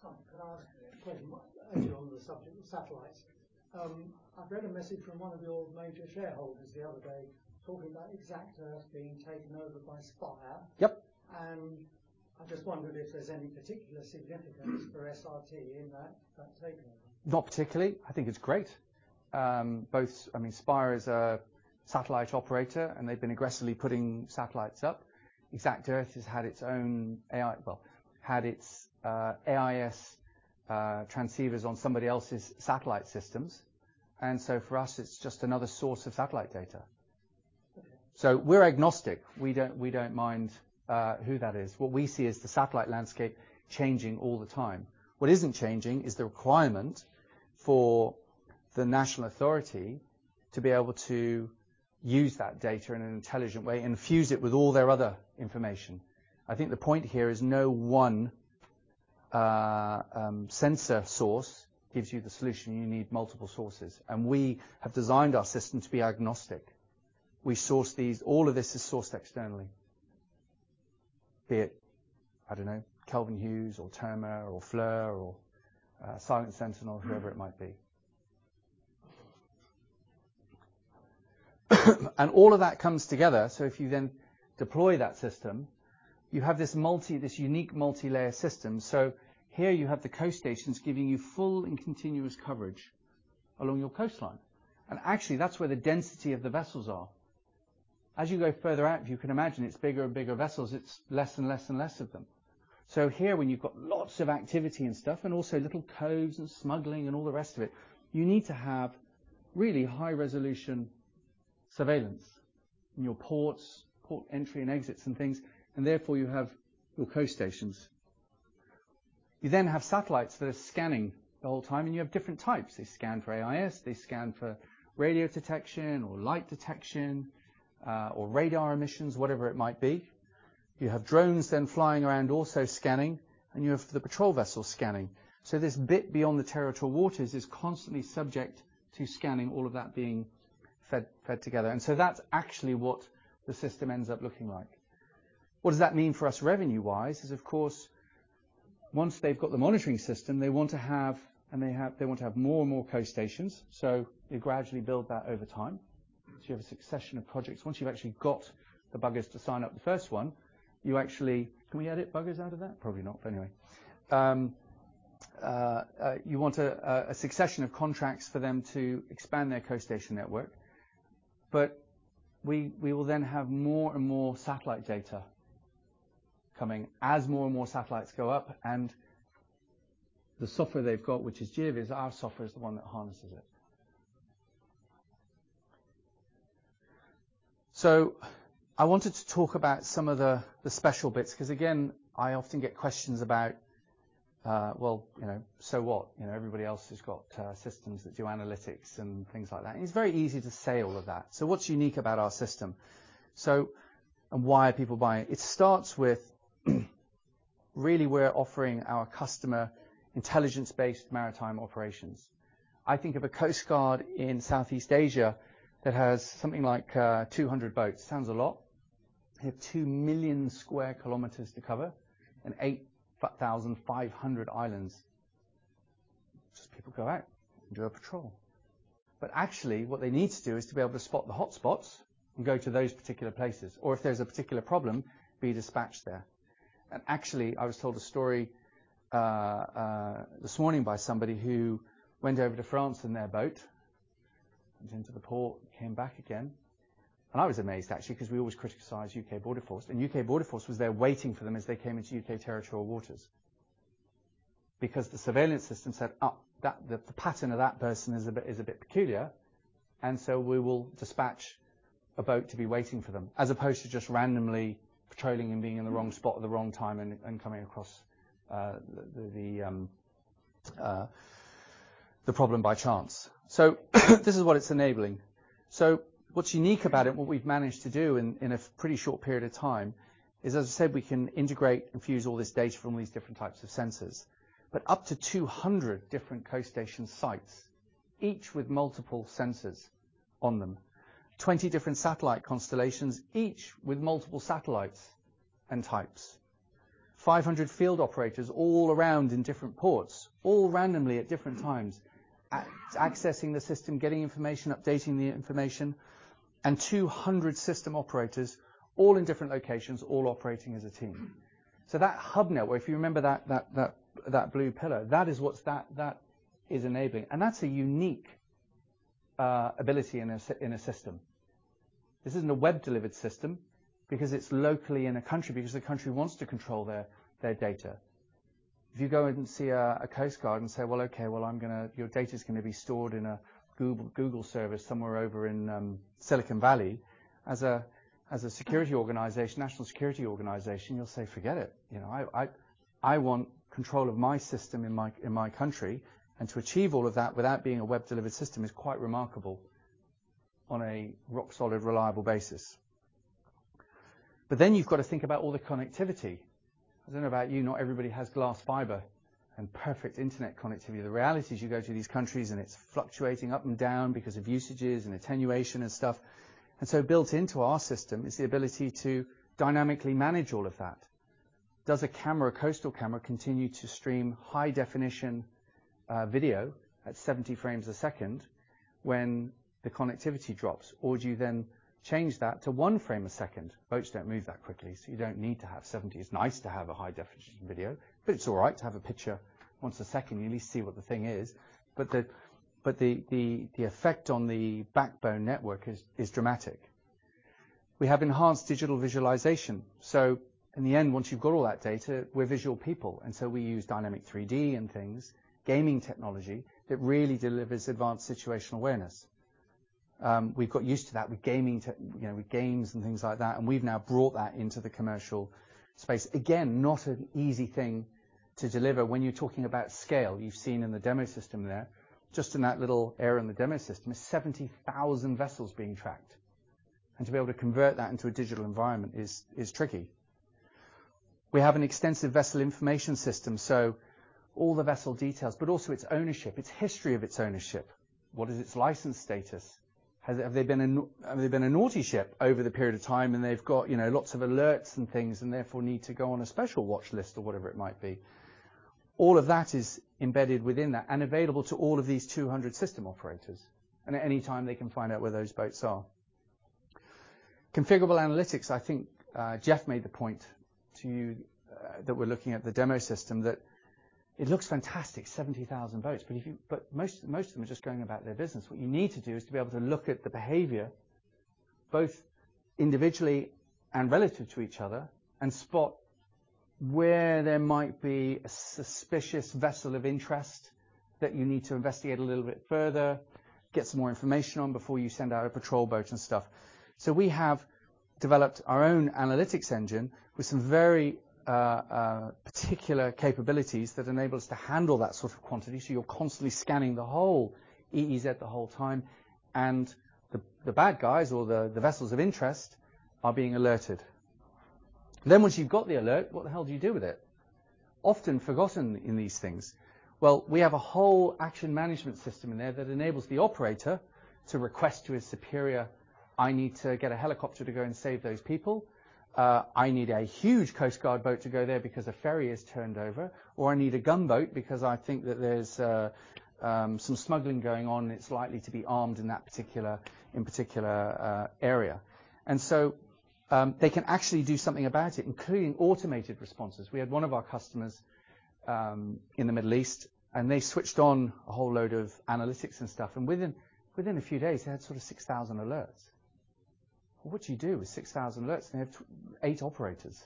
Simon, could I ask you a question? On the subject of satellites, I've read a message from one of your major shareholders the other day talking about exactEarth being taken over by Spire. Yep. I just wondered if there's any particular significance for SRT in that takeover? Not particularly. I think it's great. Spire is a satellite operator. They've been aggressively putting satellites up. exactEarth has had its own, well, had its AIS transceivers on somebody else's satellite systems. For us, it's just another source of satellite data. Okay. We're agnostic. We don't mind who that is. What we see is the satellite landscape changing all the time. What isn't changing is the requirement for the national authority to be able to use that data in an intelligent way and fuse it with all their other information. I think the point here is no one sensor source gives you the solution. You need multiple sources. We have designed our system to be agnostic. All of this is sourced externally. Be it, I don't know, Kelvin Hughes or Terma or FLIR or Silent Sentinel, whoever it might be. All of that comes together, so if you then deploy that system, you have this unique multilayer system. Here you have the coast stations giving you full and continuous coverage along your coastline. Actually, that's where the density of the vessels are. As you go further out, you can imagine it's bigger and bigger vessels. It's less and less of them. Here, when you've got lots of activity and stuff, and also little coves and smuggling and all the rest of it, you need to have really high-resolution surveillance in your ports, port entry and exits and things, and therefore, you have your coast stations. You then have satellites that are scanning the whole time, and you have different types. They scan for AIS, they scan for radio detection or light detection, or radar emissions, whatever it might be. You have drones then flying around also scanning, and you have the patrol vessel scanning. This bit beyond the territorial waters is constantly subject to scanning, all of that being fed together. That's actually what the system ends up looking like. What does that mean for us revenue-wise? Is, of course, once they've got the monitoring system, they want to have more and more coast stations. You gradually build that over time. You have a succession of projects. Once you've actually got the buggers to sign up the first one, Can we edit buggers out of that? Probably not, but anyway. You want a succession of contracts for them to expand their coast station network. We will then have more and more satellite data coming as more and more satellites go up, and the software they've got, which is GeoVis, our software, is the one that harnesses it. I wanted to talk about some of the special bits, because again, I often get questions about, well, so what? Everybody else has got systems that do analytics and things like that. It's very easy to say all of that. What's unique about our system and why are people buying? It starts with really we're offering our customer intelligence-based maritime operations. I think of a coast guard in Southeast Asia that has something like 200 boats. Sounds a lot. They have 2 million sq km to cover and 8,500 islands. These people go out and do a patrol. Actually, what they need to do is to be able to spot the hotspots and go to those particular places, or if there's a particular problem, be dispatched there. Actually, I was told a story this morning by somebody who went over to France in their boat and went into the port and came back again. I was amazed actually, because we always criticize U.K. Border Force, and U.K. Border Force was there waiting for them as they came into U.K. territorial waters. The surveillance system said, "Oh, the pattern of that person is a bit peculiar, and so we will dispatch a boat to be waiting for them," as opposed to just randomly patrolling and being in the wrong spot at the wrong time and coming across the problem by chance. This is what it's enabling. What's unique about it, what we've managed to do in a pretty short period of time is, as I said, we can integrate and fuse all this data from all these different types of sensors. Up to 200 different coast station sites, each with multiple sensors on them. 20 different satellite constellations, each with multiple satellites and types. 500 field operators all around in different ports, all randomly at different times, accessing the system, getting information, updating the information, 200 system operators all in different locations, all operating as a team. That hub network, if you remember that blue pillar, that is what is enabling. That's a unique ability in a system. This isn't a web-delivered system, because it's locally in a country, because the country wants to control their data. If you go in and see a coast guard and say, "Well, okay, well, your data's going to be stored in a Google service somewhere over in Silicon Valley" as a security organization, national security organization, you'll say, "Forget it. I want control of my system in my country." To achieve all of that without being a web-delivered system is quite remarkable on a rock solid, reliable basis. You've got to think about all the connectivity. I don't know about you, not everybody has glass fiber and perfect internet connectivity. The reality is, you go to these countries, and it's fluctuating up and down because of usages and attenuation and stuff. Built into our system is the ability to dynamically manage all of that. Does a coastal camera continue to stream high definition video at 70 frames a second when the connectivity drops? Do you then change that to one frame a second? Boats don't move that quickly, you don't need to have 70. It's nice to have a high definition video, it's all right to have a picture once a second. You at least see what the thing is. The effect on the backbone network is dramatic. We have enhanced digital visualization. In the end, once you've got all that data, we're visual people, and so we use dynamic 3D and things, gaming technology, that really delivers advanced situational awareness. We've got used to that with games and things like that, and we've now brought that into the commercial space. Again, not an easy thing to deliver when you're talking about scale. You've seen in the demo system there, just in that little area in the demo system, is 70,000 vessels being tracked. To be able to convert that into a digital environment is tricky. We have an extensive Vessel Identification System. All the vessel details, but also its ownership, its history of its ownership. What is its license status? Have they been a naughty ship over the period of time, and they've got lots of alerts and things, and therefore need to go on a special watch list or whatever it might be? All of that is embedded within that and available to all of these 200 system operators. At any time, they can find out where those boats are. Configurable analytics, I think Jeff made the point to you that we're looking at the demo system, that it looks fantastic, 70,000 boats, but most of them are just going about their business. What you need to do is to be able to look at the behavior, both individually and relative to each other, and spot where there might be a suspicious vessel of interest that you need to investigate a little bit further, get some more information on before you send out a patrol boat and stuff. We have developed our own analytics engine with some very particular capabilities that enable us to handle that sort of quantity. You're constantly scanning the whole EEZ the whole time, and the bad guys or the vessels of interest are being alerted. Once you've got the alert, what the hell do you do with it? Often forgotten in these things. We have a whole action management system in there that enables the operator to request to his superior, "I need to get a helicopter to go and save those people. I need a huge coast guard boat to go there because a ferry is turned over, or I need a gunboat because I think that there's some smuggling going on, and it's likely to be armed in that particular area." They can actually do something about it, including automated responses. We had one of our customers in the Middle East, and they switched on a whole load of analytics and stuff, and within a few days, they had sort of 6,000 alerts. What do you do with 6,000 alerts? They have eight operators.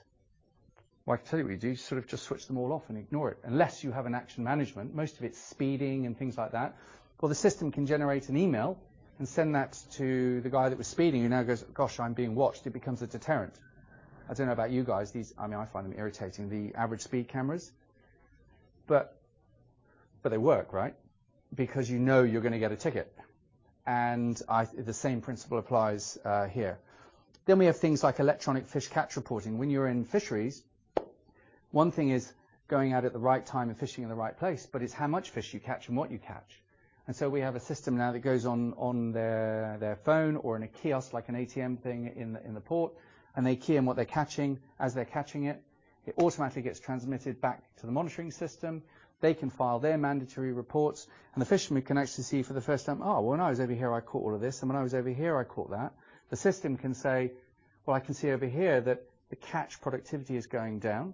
Well, I can tell you what you do, sort of just switch them all off and ignore it, unless you have an action management. Most of it's speeding and things like that. Well, the system can generate an email and send that to the guy that was speeding, who now goes, "Gosh, I'm being watched." It becomes a deterrent. I don't know about you guys, I find them irritating, the average speed cameras. They work, right? Because you know you're going to get a ticket. The same principle applies here. We have things like Electronic Fish Catch Reporting. When you're in fisheries, one thing is going out at the right time and fishing in the right place, but it's how much fish you catch and what you catch. We have a system now that goes on their phone or in a kiosk, like an ATM thing in the port, and they key in what they're catching as they're catching it. It automatically gets transmitted back to the monitoring system. They can file their mandatory reports. The fisherman can actually see for the first time, "Oh, when I was over here, I caught all of this, and when I was over here, I caught that." The system can say, "Well, I can see over here that the catch productivity is going down,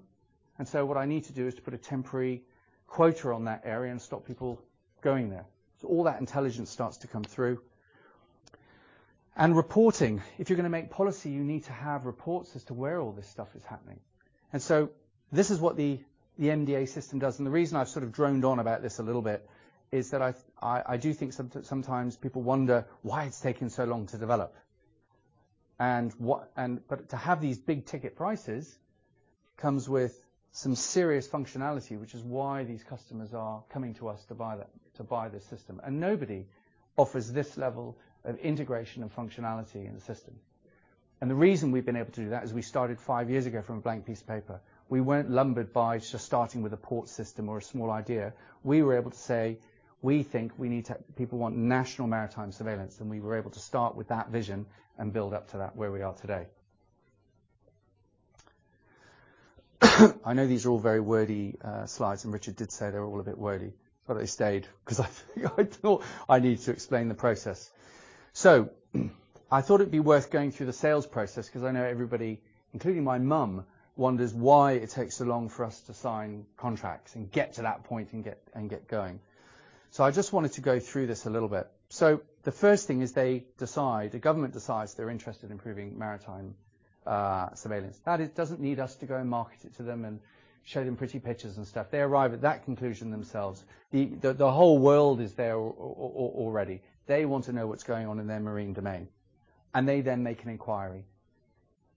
and so what I need to do is to put a temporary quota on that area and stop people going there." All that intelligence starts to come through. Reporting, if you're going to make policy, you need to have reports as to where all this stuff is happening. This is what the MDA system does. The reason I've sort of droned on about this a little bit is that I do think sometimes people wonder why it's taking so long to develop. To have these big ticket prices comes with some serious functionality, which is why these customers are coming to us to buy this system. Nobody offers this level of integration and functionality in the system. The reason we've been able to do that is we started five years ago from a blank piece of paper. We weren't lumbered by just starting with a port system or a small idea. We were able to say, "We think people want national maritime surveillance," and we were able to start with that vision and build up to that, where we are today. I know these are all very wordy slides, and Richard did say they're all a bit wordy, but they stayed because I thought I need to explain the process. I thought it'd be worth going through the sales process, because I know everybody, including my mom, wonders why it takes so long for us to sign contracts and get to that point and get going. I just wanted to go through this a little bit. The first thing is they decide, the government decides they're interested in improving maritime surveillance. That it doesn't need us to go and market it to them and show them pretty pictures and stuff. They arrive at that conclusion themselves. The whole world is there already. They want to know what's going on in their marine domain, and they then make an inquiry.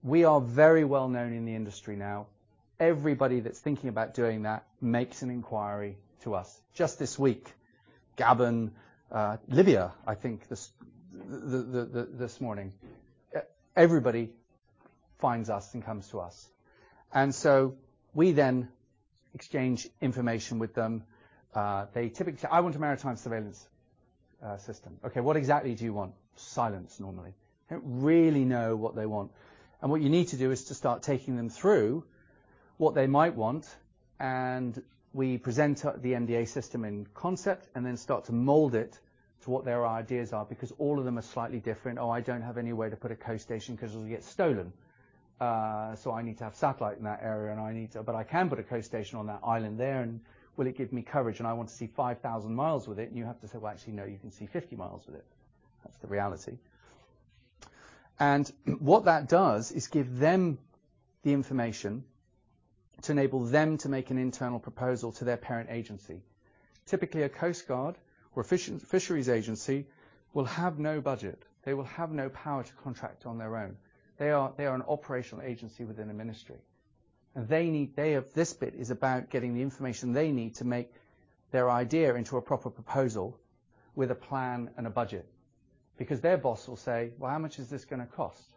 We are very well-known in the industry now. Everybody that's thinking about doing that makes an inquiry to us. Just this week, Gabon, Libya, I think this morning. Everybody finds us and comes to us. We then exchange information with them. They typically say, "I want a maritime surveillance system." "Okay, what exactly do you want?" Silence normally. They don't really know what they want. What you need to do is to start taking them through what they might want, and we present the MDA system in concept and then start to mold it to what their ideas are, because all of them are slightly different. "Oh, I don't have anywhere to put a coast station because it'll get stolen, so I need to have satellite in that area, but I can put a coast station on that island there, and will it give me coverage? I want to see 5,000 miles with it." You have to say, "Well, actually, no, you can see 50 miles with it." That's the reality. What that does is give them the information to enable them to make an internal proposal to their parent agency. Typically, a coast guard or fisheries agency will have no budget. They will have no power to contract on their own. They are an operational agency within a ministry, and this bit is about getting the information they need to make their idea into a proper proposal with a plan and a budget. Their boss will say, "Well, how much is this gonna cost?"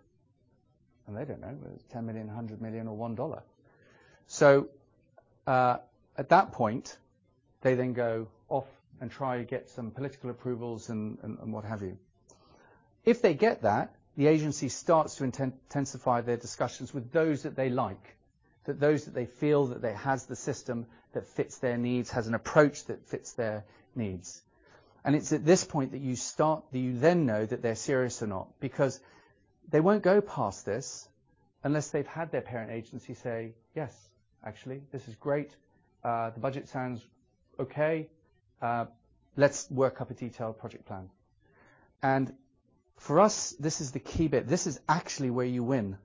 They don't know. 10 million, 100 million, or GBP 1. At that point, they then go off and try to get some political approvals and what have you. If they get that, the agency starts to intensify their discussions with those that they like, those that they feel that has the system that fits their needs, has an approach that fits their needs. It's at this point that you then know that they're serious or not, because they won't go past this unless they've had their parent agency say, "Yes, actually, this is great. The budget sounds okay. Let's work up a detailed project plan." For us, this is the key bit. This is actually where you win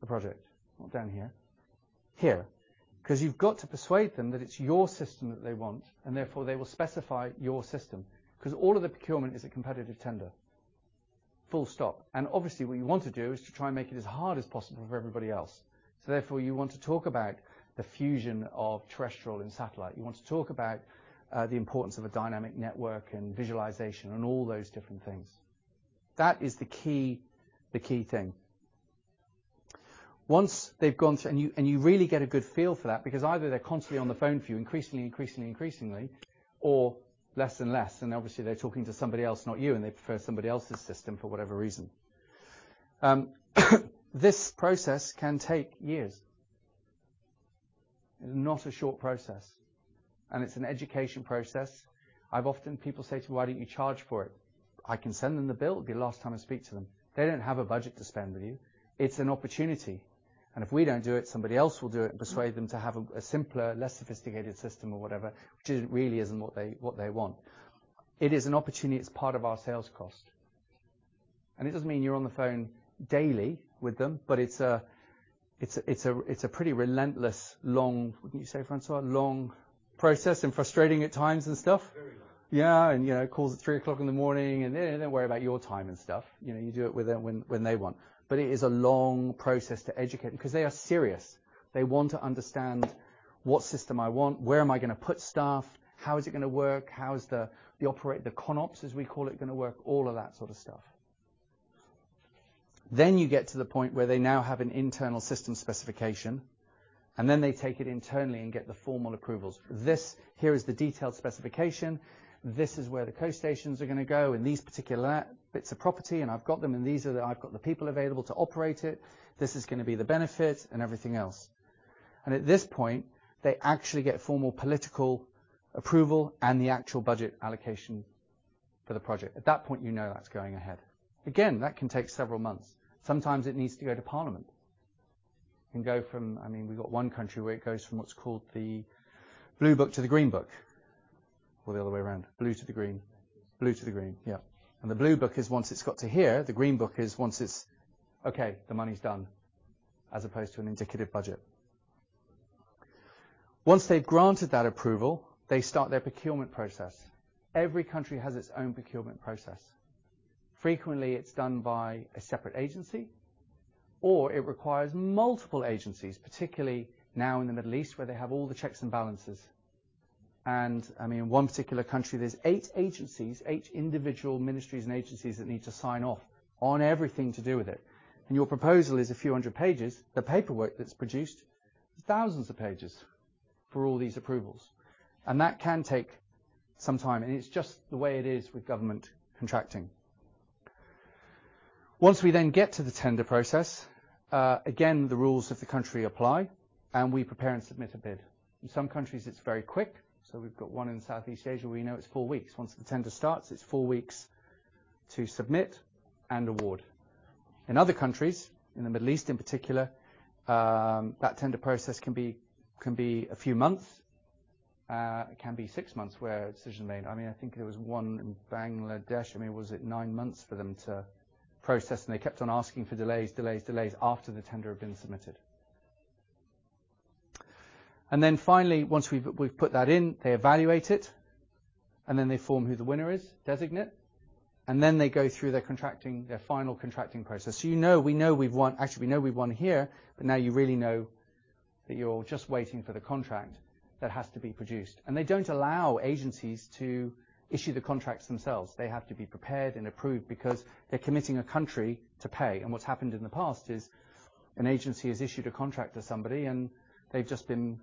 the project. Not down here. Because you've got to persuade them that it's your system that they want, and therefore, they will specify your system. Because all of the procurement is a competitive tender, full stop. Obviously, what you want to do is to try and make it as hard as possible for everybody else. You want to talk about the fusion of terrestrial and satellite. You want to talk about the importance of a dynamic network and visualization and all those different things. That is the key thing. You really get a good feel for that because either they're constantly on the phone for you, increasingly, or less and less, and obviously, they're talking to somebody else, not you, and they prefer somebody else's system for whatever reason. This process can take years. It's not a short process, and it's an education process. People say to me, "Why don't you charge for it?" I can send them the bill, it'll be the last time I speak to them. They don't have a budget to spend with you. It's an opportunity, and if we don't do it, somebody else will do it and persuade them to have a simpler, less sophisticated system or whatever, which really isn't what they want. It is an opportunity. It's part of our sales cost. It doesn't mean you're on the phone daily with them, but it's a pretty relentless long, what do you say, Francois? Long process and frustrating at times and stuff? Very long. Yeah, calls at 3:00 in the morning, and they don't worry about your time and stuff. You do it with them when they want. It is a long process to educate them because they are serious. They want to understand what system I want, where am I going to put staff, how is it going to work, how is the operate, the CONOPS, as we call it, gonna work, all of that sort of stuff. You get to the point where they now have an internal system specification, and then they take it internally and get the formal approvals. This here is the detailed specification. This is where the coast stations are gonna go, and these particular bits of property, and I've got them, I've got the people available to operate it. This is gonna be the benefit and everything else. At this point, they actually get formal political approval and the actual budget allocation for the project. At that point, you know that's going ahead. Again, that can take several months. Sometimes it needs to go to Parliament. It can go from, I mean, we've got one country where it goes from what's called the Blue Book to the Green Book, or the other way around. Blue to the Green. Blue to the Green, yeah. The Blue Book is once it's got to here, the Green Book is once it's, okay, the money's done, as opposed to an indicative budget. Once they've granted that approval, they start their procurement process. Every country has its own procurement process. Frequently, it's done by a separate agency, or it requires multiple agencies, particularly now in the Middle East, where they have all the checks and balances. In one particular country, there's eight agencies, eight individual ministries and agencies that need to sign off on everything to do with it. Your proposal is a few hundred pages. The paperwork that's produced is thousands of pages for all these approvals. That can take some time, and it's just the way it is with government contracting. Once we then get to the tender process, again, the rules of the country apply. We prepare and submit a bid. In some countries, it's very quick. We've got one in Southeast Asia where we know it's four weeks. Once the tender starts, it's four weeks to submit and award. In other countries, in the Middle East in particular, that tender process can be a few months. It can be six months where a decision is made. I think there was one in Bangladesh, was it nine months for them to process? They kept on asking for delays after the tender had been submitted. Finally, once we have put that in, they evaluate it, then they form who the winner is, designate, then they go through their final contracting process. We know we have won. Actually, we know we have won here, but now you really know that you are just waiting for the contract that has to be produced. They do not allow agencies to issue the contracts themselves. They have to be prepared and approved because they are committing a country to pay. What has happened in the past is an agency has issued a contract to somebody, and they have just been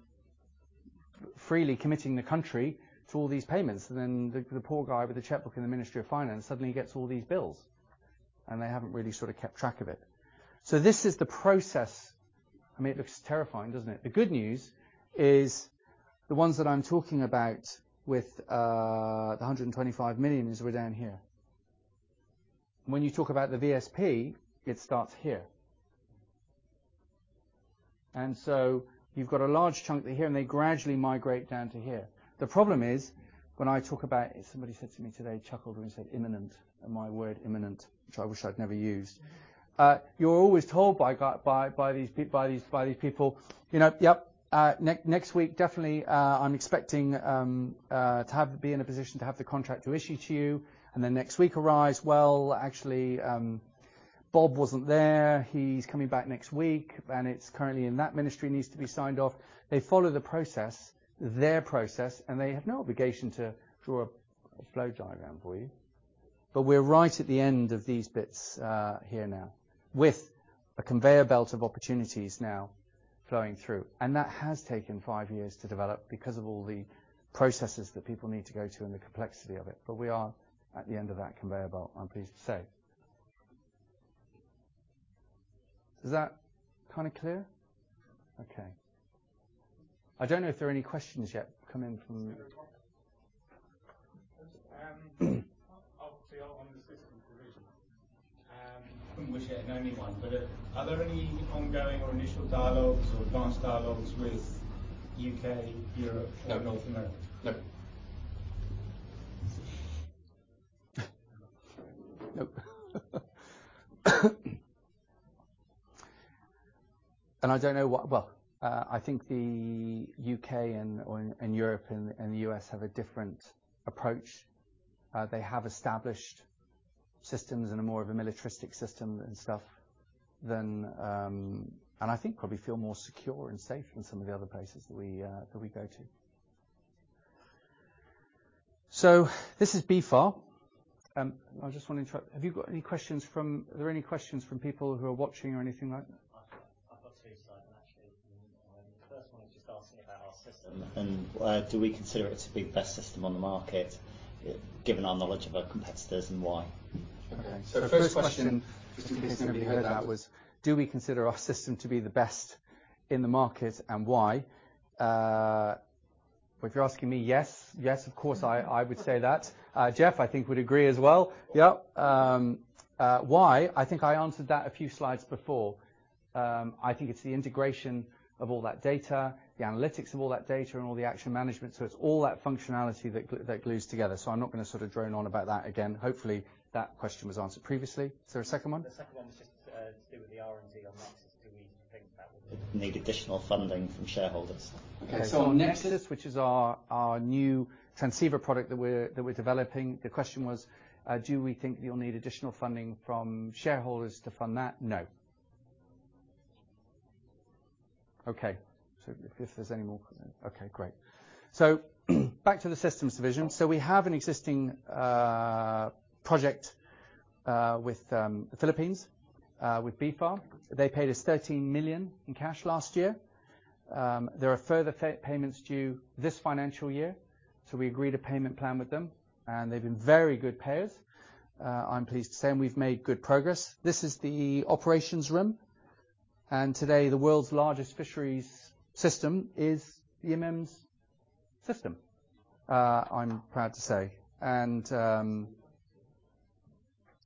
freely committing the country to all these payments. The poor guy with the checkbook in the Ministry of Finance suddenly gets all these bills, and they haven't really kept track of it. This is the process. It looks terrifying, doesn't it? The good news is the ones that I'm talking about with the 125 million were down here. When you talk about the VSP, it starts here. You've got a large chunk here, and they gradually migrate down to here. The problem is, when I talk about Somebody said to me today, chuckled when he said, "Imminent," my word imminent, which I wish I'd never used. You're always told by these people, "Yep, next week, definitely, I'm expecting to be in a position to have the contract to issue to you." Next week arrives, "Well, actually, Bob wasn't there. He's coming back next week, and it's currently in that ministry, needs to be signed off. They follow the process, their process, and they have no obligation to draw a flow diagram for you. We're right at the end of these bits here now, with a conveyor belt of opportunities now flowing through. That has taken five years to develop because of all the processes that people need to go to and the complexity of it. We are at the end of that conveyor belt, I'm pleased to say. Is that clear? Okay. Is there a comment? I'll stay on the systems division. I wouldn't wish it on anyone, but are there any ongoing or initial dialogues or advanced dialogues with U.K.? No North America? No. Nope. I don't know. I think the U.K. and Europe and the U.S. have a different approach. They have established systems and a more of a militaristic system and stuff than. I think probably feel more secure and safe than some of the other places that we go to. This is BFAR. Are there any questions from people who are watching or anything like that? I've got two, Simon, actually. The first one is just asking about our system, and do we consider it to be the best system on the market, given our knowledge of our competitors, and why? Okay. First question, just in case anybody heard that, was do we consider our system to be the best in the market, and why? If you're asking me, yes. Yes, of course, I would say that. Jeff, I think, would agree as well. Yep. Why? I think I answered that a few slides before. I think it's the integration of all that data, the analytics of all that data, and all the action management. It's all that functionality that glues together. I'm not going to drone on about that again. Hopefully, that question was answered previously. Is there a second one? The second one was just to do with the R&D on that. Do we think that we'll need additional funding from shareholders? On NEXUS, which is our new transceiver product that we're developing, the question was, do we think we'll need additional funding from shareholders to fund that? No. Okay. If there's any more Okay, great. Back to the systems division. We have an existing project with the Philippines, with BFAR. They paid us 13 million in cash last year. There are further payments due this financial year, so we agreed a payment plan with them, and they've been very good payers, I'm pleased to say, and we've made good progress. This is the operations room, and today, the world's largest fisheries system is IMEMS system, I'm proud to say. Oh,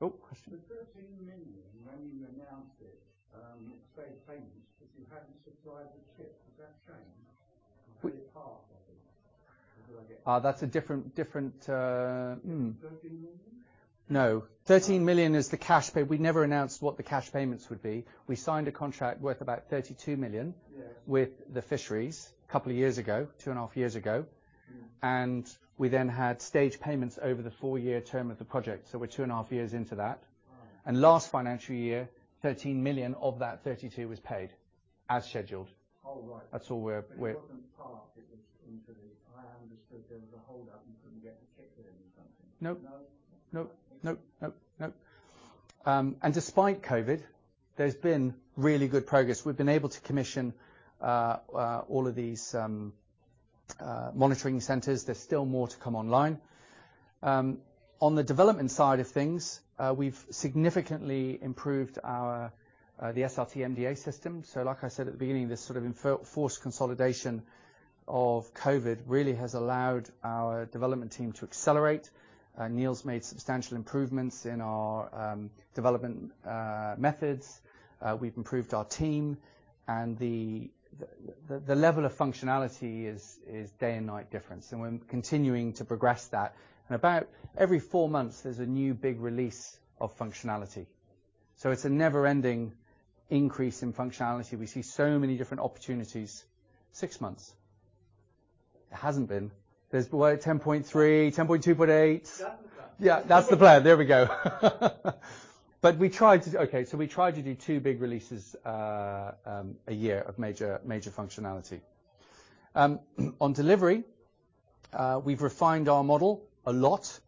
question. The GBP 13 million, when you announced it was stage payments because you hadn't supplied the ship. Has that changed? Or is it part of it? That's a different-. 13 million? No. 13 million is the cash pay. We never announced what the cash payments would be. We signed a contract worth about 32 million. Yes With the fisheries a couple of years ago, two and a half years ago. Yes. We then had staged payments over the four-year term of the project. We're two and a half years into that. Right. Last financial year, 13 million of that 32 was paid as scheduled. Oh, right. That's all. It wasn't part. I understood there was a hold-up, and couldn't get the check there or something. Nope. No? Nope. Okay. Nope. Despite COVID, there's been really good progress. We've been able to commission all of these monitoring centers. There's still more to come online. On the development side of things, we've significantly improved the SRT MDA system. Like I said at the beginning, this sort of forced consolidation of COVID really has allowed our development team to accelerate. Neil's made substantial improvements in our development methods. We've improved our team, and the level of functionality is day and night difference, and we're continuing to progress that. About every four months, there's a new big release of functionality. It's a never-ending increase in functionality. We see so many different opportunities. Six months? It hasn't been. There's what, 10.3, 10.2.8? That's the plan. Yeah. That's the plan. There we go. Okay, we try to do two big releases a year of major functionality. On delivery, we've refined our model a lot.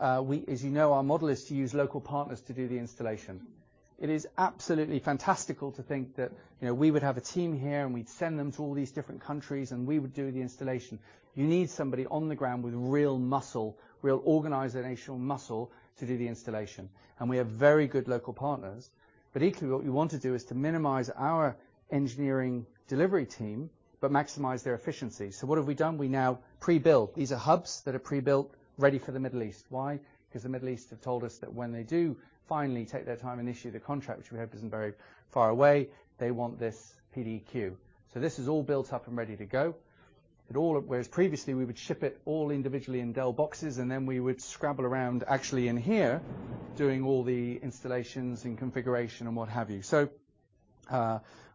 As you know, our model is to use local partners to do the installation. It is absolutely fantastical to think that we would have a team here, and we'd send them to all these different countries, and we would do the installation. You need somebody on the ground with real muscle, real organizational muscle to do the installation, and we have very good local partners. Equally, what we want to do is to minimize our engineering delivery team but maximize their efficiency. What have we done? We now pre-build. These are hubs that are pre-built, ready for the Middle East. Why? Because the Middle East have told us that when they do finally take their time and issue the contract, which we hope isn't very far away, they want this PDQ. This is all built up and ready to go. Whereas previously, we would ship it all individually in Dell boxes, and then we would scrabble around actually in here doing all the installations and configuration and what have you.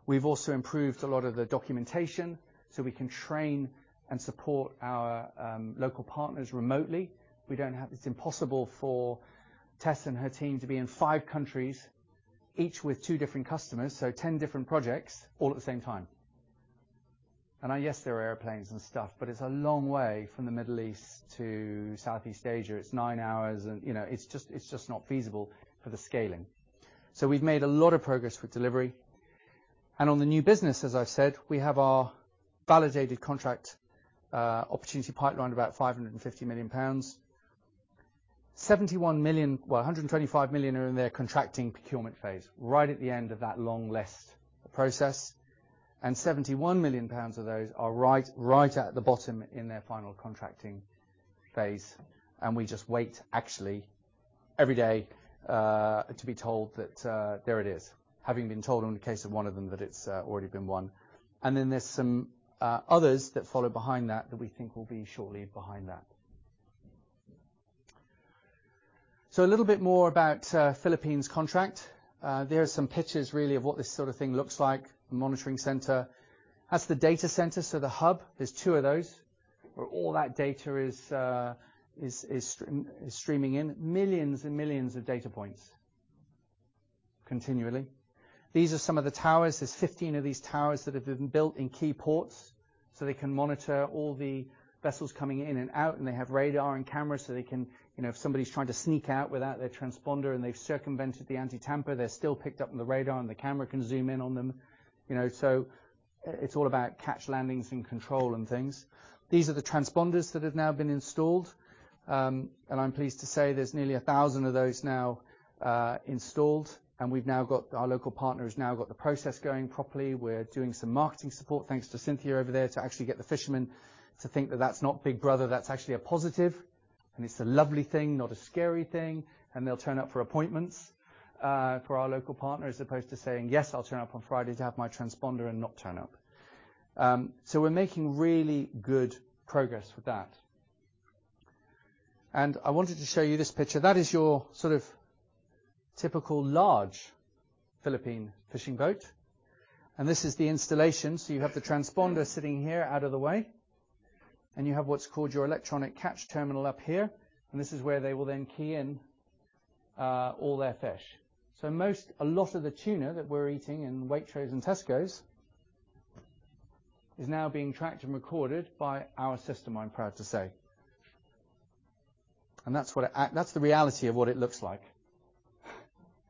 We've also improved a lot of the documentation so we can train and support our local partners remotely. It's impossible for Tess and her team to be in five countries, each with two different customers, so 10 different projects all at the same time. Yes, there are airplanes and stuff, but it's a long way from the Middle East to Southeast Asia. It's nine hours and it's just not feasible for the scaling. We've made a lot of progress with delivery. On the new business, as I've said, we have our validated contract opportunity pipeline about 550 million pounds. 125 million are in their contracting procurement phase, right at the end of that long list process, and 71 million pounds of those are right at the bottom in their final contracting phase, and we just wait, actually, every day, to be told that, there it is, having been told in the case of one of them that it's already been won. There's some others that follow behind that that we think will be shortly behind that. A little bit more about Philippines contract. There are some pictures really of what this sort of thing looks like, the monitoring center. That's the data center, so the hub. There's two of those, where all that data is streaming in millions and millions of data points continually. These are some of the towers. There's 15 of these towers that have been built in key ports, so they can monitor all the vessels coming in and out, and they have radar and cameras so they can, if somebody's trying to sneak out without their transponder, and they've circumvented the anti-tamper, they're still picked up on the radar, and the camera can zoom in on them. It's all about catch landings and control and things. These are the transponders that have now been installed. I'm pleased to say there's nearly 1,000 of those now installed, and our local partner has now got the process going properly. We're doing some marketing support, thanks to Cynthia over there, to actually get the fishermen to think that that's not Big Brother, that's actually a positive, and it's a lovely thing, not a scary thing, and they'll turn up for appointments for our local partner as opposed to saying, "Yes, I'll turn up on Friday to have my transponder," and not turn up. We're making really good progress with that. I wanted to show you this picture. That is your sort of typical large Philippine fishing boat, and this is the installation. You have the transponder sitting here out of the way, and you have what's called your electronic catch terminal up here, and this is where they will then key in all their fish. A lot of the tuna that we're eating in Waitrose and Tesco is now being tracked and recorded by our system, I'm proud to say. That's the reality of what it looks like.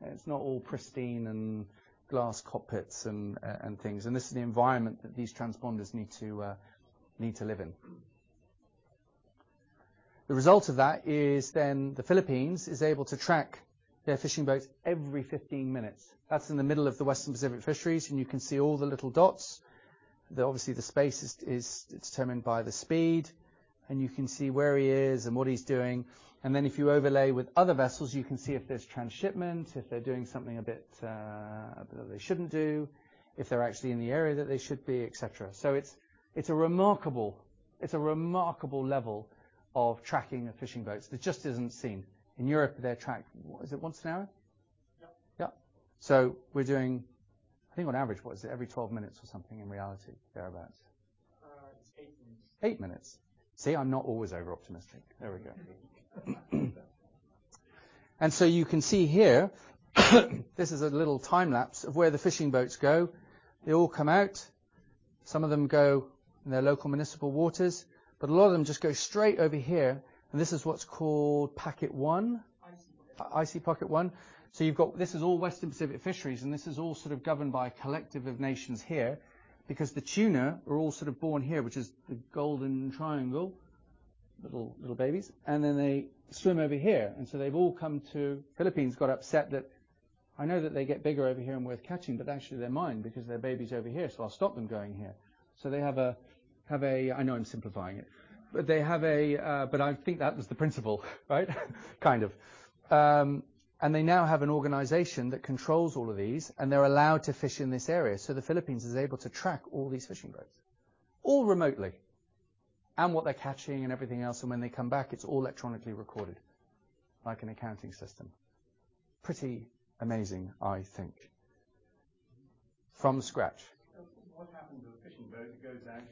It's not all pristine and glass cockpits and things, and this is the environment that these transponders need to live in. The result of that is then the Philippines is able to track their fishing boats every 15 minutes. That's in the middle of the Western Pacific Fisheries, and you can see all the little dots. Obviously, the space is determined by the speed, and you can see where he is and what he's doing. If you overlay with other vessels, you can see if there's transshipment, if they're doing something a bit that they shouldn't do, if they're actually in the area that they should be, et cetera. It's a remarkable level of tracking the fishing boats that just isn't seen. In Europe, they're tracked, is it once an hour? Yep. Yep. We're doing, I think on average, what is it? Every 12 minutes or something in reality, thereabout. It's eight minutes. Eight minutes. See, I am not always over-optimistic. There we go. You can see here, this is a little time lapse of where the fishing boats go. They all come out. Some of them go in their local municipal waters, but a lot of them just go straight over here, and this is what is called Pocket One. This is all Western Pacific Fisheries, and this is all sort of governed by a collective of nations here, because the tuna are all sort of born here, which is the golden triangle, little babies, and then they swim over here. Philippines, got upset that, "I know that they get bigger over here and worth catching, but actually they are mine because they are babies over here, so I will stop them going here." They have a. I know I am simplifying it. I think that was the principle, right? Kind of. They now have an organization that controls all of these, and they're allowed to fish in this area. The Philippines is able to track all these fishing boats, all remotely, and what they're catching and everything else. When they come back, it's all electronically recorded, like an accounting system. Pretty amazing, I think. From scratch. What happens if a fishing boat goes out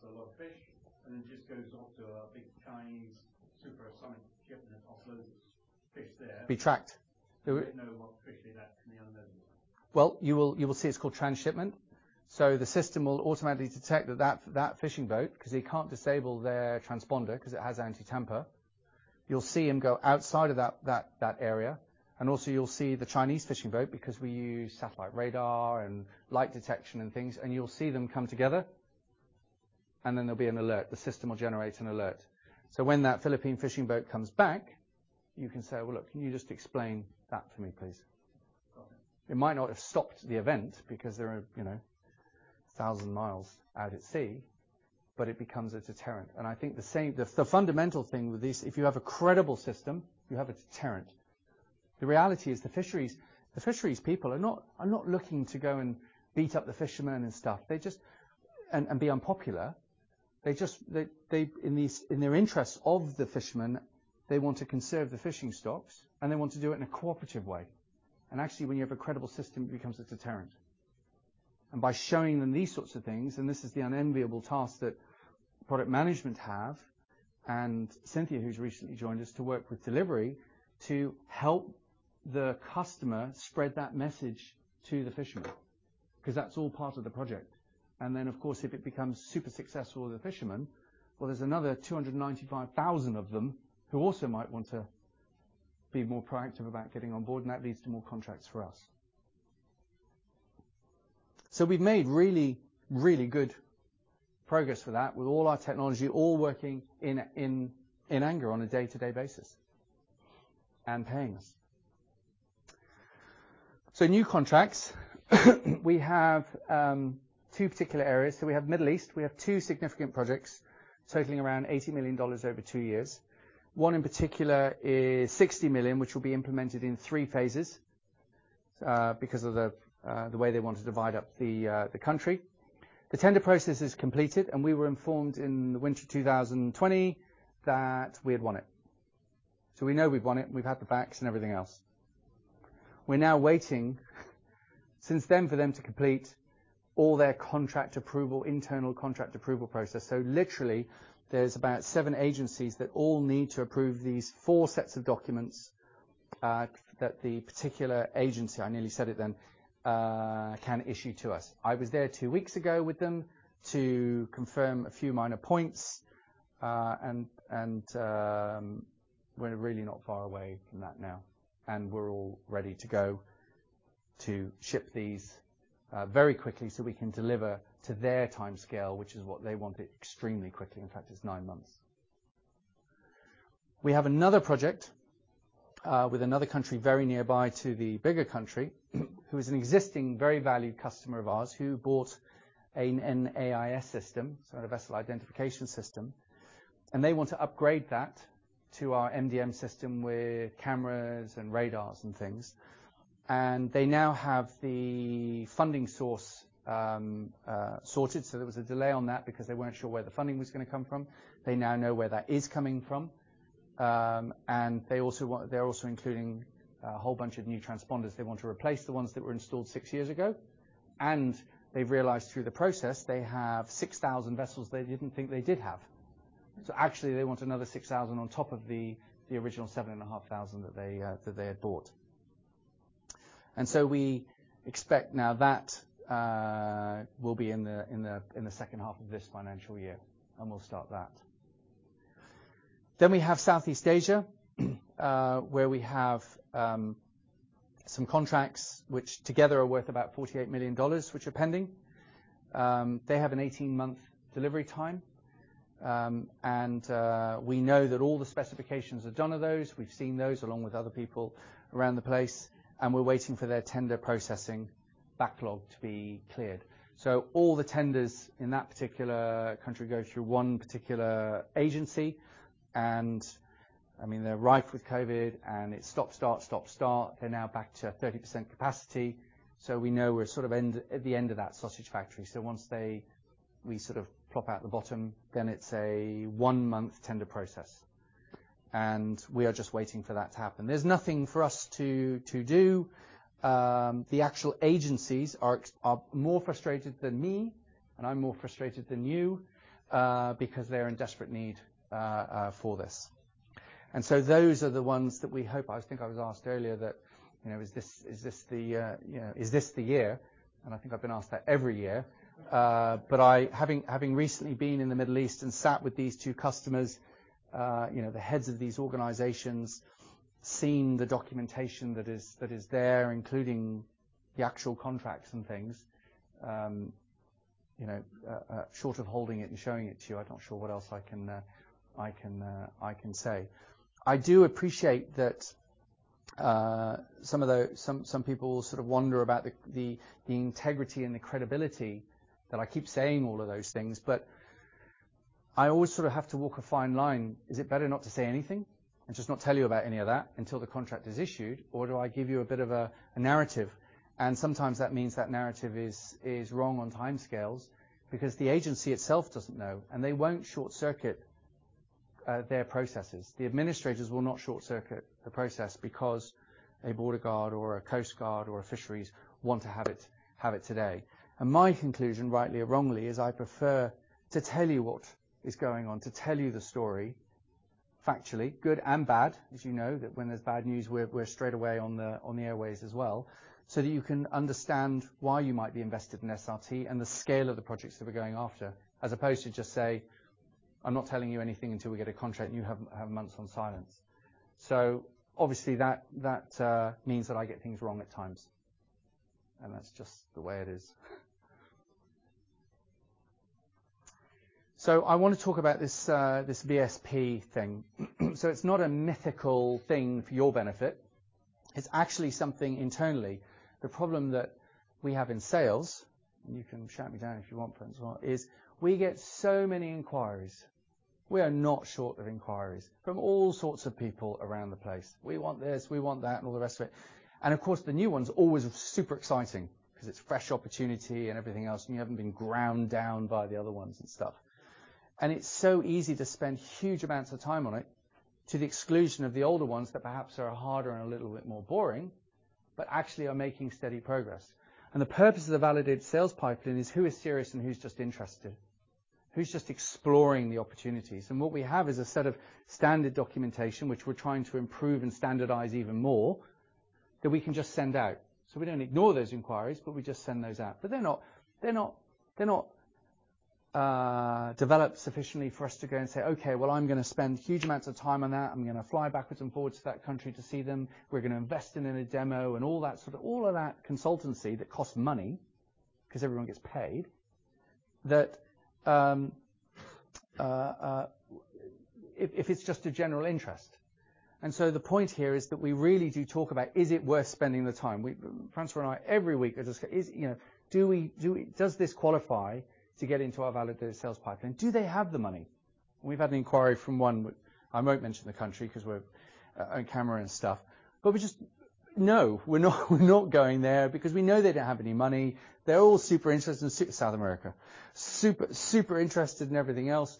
and harvests a lot of fish and then just goes off to a big Chinese supersonic ship and offloads its fish there? Be tracked. They don't know what fish they've actually unloaded. Well, you will see it's called transshipment. The system will automatically detect that fishing boat because they can't disable their transponder because it has anti-tamper. You'll see him go outside of that area. Also you'll see the Chinese fishing boat because we use satellite radar and light detection and things, you'll see them come together, then there'll be an alert. The system will generate an alert. When that Philippine fishing boat comes back, you can say, "Well, look, can you just explain that to me, please? Got it. It might not have stopped the event because they're 1,000 mi out at sea, but it becomes a deterrent. I think the fundamental thing with this, if you have a credible system, you have a deterrent. The reality is the fisheries people are not looking to go and beat up the fishermen and stuff and be unpopular. They just, in their interests of the fishermen, they want to conserve the fishing stocks, and they want to do it in a cooperative way. Actually, when you have a credible system, it becomes a deterrent. By showing them these sorts of things, and this is the unenviable task that product management have, and Cynthia, who's recently joined us to work with delivery to help the customer spread that message to the fisherman, because that's all part of the project. Of course, if it becomes super successful with the fisherman, well, there's another 295,000 of them who also might want to be more proactive about getting on board. That leads to more contracts for us. We've made really, really good progress for that with all our technology all working in anger on a day-to-day basis, and paying us. New contracts, we have two particular areas. We have Middle East. We have two significant projects totaling around $80 million over two years. One, in particular, is $60 million, which will be implemented in three phases, because of the way they want to divide up the country. The tender process is completed. We were informed in the winter 2020 that we had won it. We know we've won it, we've had the backs and everything else. We're now waiting since then for them to complete all their contract approval, internal contract approval process. Literally, there's about seven agencies that all need to approve these four sets of documents that the particular agency, I nearly said it then, can issue to us. I was there two weeks ago with them to confirm a few minor points, and we're really not far away from that now, and we're all ready to go to ship these very quickly so we can deliver to their timescale, which is what they want it extremely quickly. It's nine months. We have another project, with another country very nearby to the bigger country, who is an existing, very valued customer of ours who bought an AIS system, so our Vessel Identification System. They want to upgrade that to our MDA system with cameras and radars and things. They now have the funding source sorted. There was a delay on that because they weren't sure where the funding was going to come from. They now know where that is coming from. They're also including a whole bunch of new transponders. They want to replace the ones that were installed six years ago. They've realized through the process they have 6,000 vessels they didn't think they did have. Actually, they want another 6,000 on top of the original 7,500 that they had bought. We expect now that will be in the second half of this financial year, and we'll start that. We have Southeast Asia, where we have some contracts which together are worth about $48 million, which are pending. They have an 18-month delivery time. We know that all the specifications are done of those. We've seen those along with other people around the place, and we're waiting for their tender processing backlog to be cleared. All the tenders in that particular country go through 1 particular agency, and they're rife with COVID, and it's stop, start, stop, start. They're now back to 30% capacity. We know we're sort of at the end of that sausage factory. Once we sort of plop out the bottom, then it's a one-month tender process. We are just waiting for that to happen. There's nothing for us to do. The actual agencies are more frustrated than me, and I'm more frustrated than you, because they're in desperate need for this. Those are the ones that we hope. I think I was asked earlier that, is this the year? I think I've been asked that every year. I, having recently been in the Middle East and sat with these two customers, the heads of these organizations. I have seen the documentation that is there, including the actual contracts and things. Short of holding it and showing it to you, I'm not sure what else I can say. I do appreciate that some people sort of wonder about the integrity and the credibility that I keep saying all of those things, but I always sort of have to walk a fine line. Is it better not to say anything and just not tell you about any of that until the contract is issued? Or do I give you a bit of a narrative? Sometimes that means that narrative is wrong on timescales because the agency itself doesn't know, and they won't short-circuit their processes. The administrators will not short-circuit the process because a border guard or a coast guard or a fisheries want to have it today. My conclusion, rightly or wrongly, is I prefer to tell you what is going on, to tell you the story factually, good and bad, as you know, that when there's bad news, we're straight away on the airwaves as well, so that you can understand why you might be invested in SRT and the scale of the projects that we're going after, as opposed to just say, "I'm not telling you anything until we get a contract," and you have months on silence. Obviously that means that I get things wrong at times, and that's just the way it is. I want to talk about this VSP thing. It's not a mythical thing for your benefit. It's actually something internally. The problem that we have in sales, and you can shout me down if you want, Francois, is we get so many inquiries. We are not short of inquiries from all sorts of people around the place. We want this, we want that, and all the rest of it. Of course, the new ones are always super exciting because it's fresh opportunity and everything else, and you haven't been ground down by the other ones and stuff. It's so easy to spend huge amounts of time on it to the exclusion of the older ones that perhaps are harder and a little bit more boring, but actually are making steady progress. The purpose of the validated sales pipeline is who is serious and who's just interested, who's just exploring the opportunities. What we have is a set of standard documentation, which we're trying to improve and standardize even more, that we can just send out. We don't ignore those inquiries, but we just send those out. They're not developed sufficiently for us to go and say, "Okay, well, I'm going to spend huge amounts of time on that. I'm going to fly backwards and forwards to that country to see them. We're going to invest in a demo" and all of that consultancy that costs money because everyone gets paid, that if it's just a general interest. The point here is that we really do talk about is it worth spending the time? Francois and I, every week are just go, "Does this qualify to get into our validated sales pipeline? Do they have the money? We've had an inquiry from one, I won't mention the country because we're on camera and stuff, we're not going there because we know they don't have any money. They're all super interested in South America, super interested in everything else,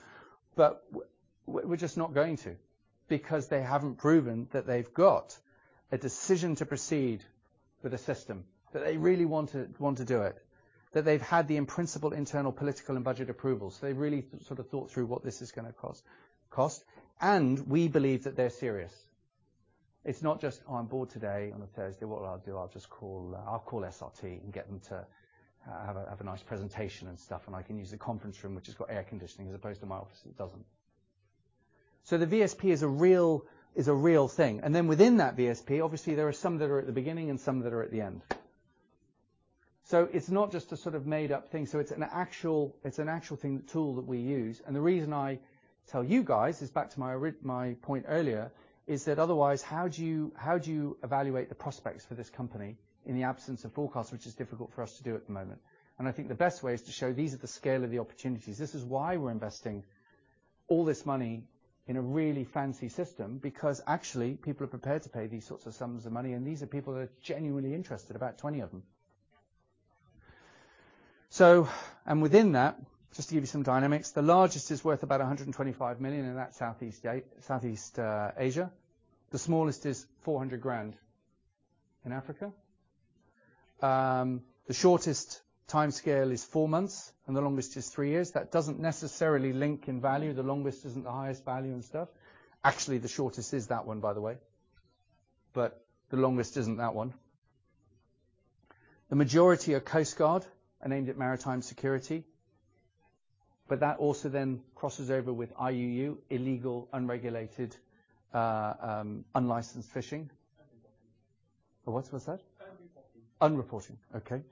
we're just not going to because they haven't proven that they've got a decision to proceed with a system, that they really want to do it, that they've had the principal internal political and budget approvals. They really sort of thought through what this is going to cost. We believe that they're serious. It's not just on board today, on a Thursday, what I'll do, I'll call SRT and get them to have a nice presentation and stuff. I can use the conference room, which has got air conditioning, as opposed to my office that doesn't. The VSP is a real thing. Within that VSP, obviously, there are some that are at the beginning and some that are at the end. It's not just a sort of made-up thing. It's an actual tool that we use. The reason I tell you guys is back to my point earlier, is that otherwise, how do you evaluate the prospects for this company in the absence of forecasts, which is difficult for us to do at the moment? I think the best way is to show these are the scale of the opportunities. This is why we're investing all this money in a really fancy system, because actually, people are prepared to pay these sorts of sums of money, and these are people that are genuinely interested, about 20 of them. Within that, just to give you some dynamics, the largest is worth about 125 million in that Southeast Asia. The smallest is 400,000 in Africa. The shortest timescale is four months, the longest is three years. That doesn't necessarily link in value. The longest isn't the highest value and stuff. The shortest is that one, by the way, the longest isn't that one. The majority are coast guard and aimed at maritime security, that also then crosses over with IUU, illegal, unregulated, unlicensed fishing. Unreporting. What's that? Unreporting. Unreporting. Okay.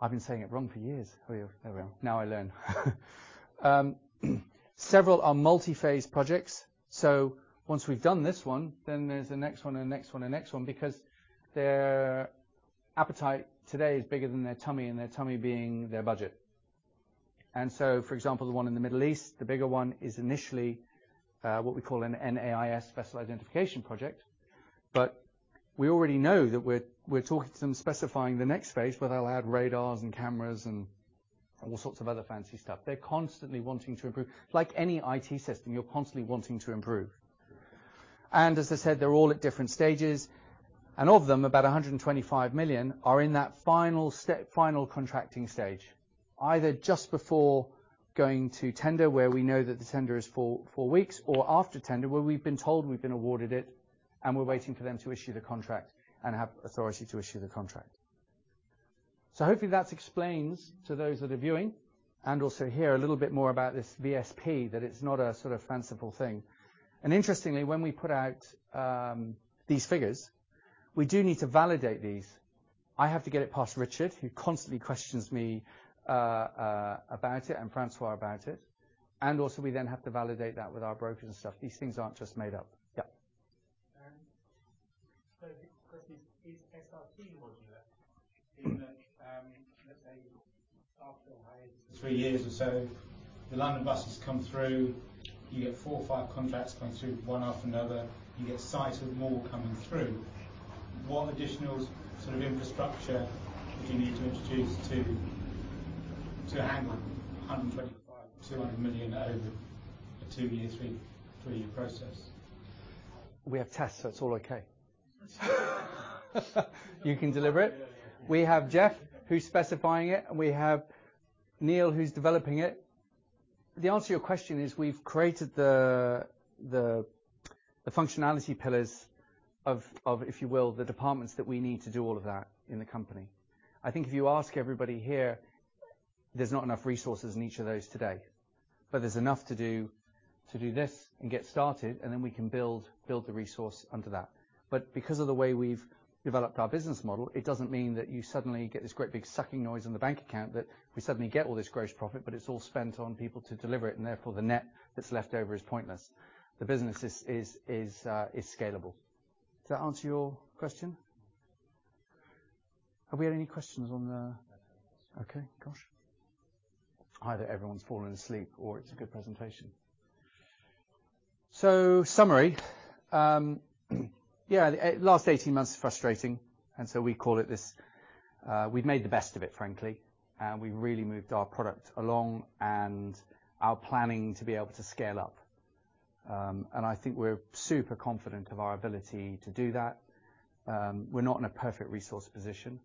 I've been saying it wrong for years. There we are. Now I learn. Several are multi-phase projects, once we've done this one, then there's the next one and the next one and the next one because their appetite today is bigger than their tummy, their tummy being their budget. For example, the one in the Middle East, the bigger one is initially what we call an NAIS vessel identification project. We already know that we're talking to them specifying the next phase, whether they'll add radars and cameras and all sorts of other fancy stuff. They're constantly wanting to improve. Like any IT system, you're constantly wanting to improve. As I said, they're all at different stages. Of them, about 125 million are in that final contracting stage, either just before going to tender, where we know that the tender is four weeks, or after tender, where we've been told we've been awarded it and we're waiting for them to issue the contract and have authority to issue the contract. Hopefully that explains to those that are viewing and also here a little bit more about this VSP, that it's not a fanciful thing. Interestingly, when we put out these figures, we do need to validate these. I have to get it past Richard, who constantly questions me about it, and Francois about it. Also we then have to validate that with our brokers and stuff. These things aren't just made up. Yeah. The question is SRT modular? 3 years or so, the London buses come through, you get four or five contracts come through one after another, you get sight of more coming through. What additional sort of infrastructure do you need to introduce to handle 125 million, 200 million over a two-year, thre-year process? We have Tess, it's all okay. You can deliver it. We have Jeff who's specifying it, we have Neil who's developing it. The answer to your question is we've created the functionality pillars of, if you will, the departments that we need to do all of that in the company. I think if you ask everybody here, there's not enough resources in each of those today. There's enough to do this and get started, then we can build the resource under that. Because of the way we've developed our business model, it doesn't mean that you suddenly get this great big sucking noise in the bank account that we suddenly get all this gross profit, but it's all spent on people to deliver it, and therefore, the net that's left over is pointless. The business is scalable. Does that answer your question? Have we had any questions? Gosh. Either everyone's fallen asleep or it's a good presentation. Summary. Yeah, the last 18 months are frustrating. We've made the best of it, frankly. We really moved our product along and are planning to be able to scale up. I think we're super confident of our ability to do that. We're not in a perfect resource position,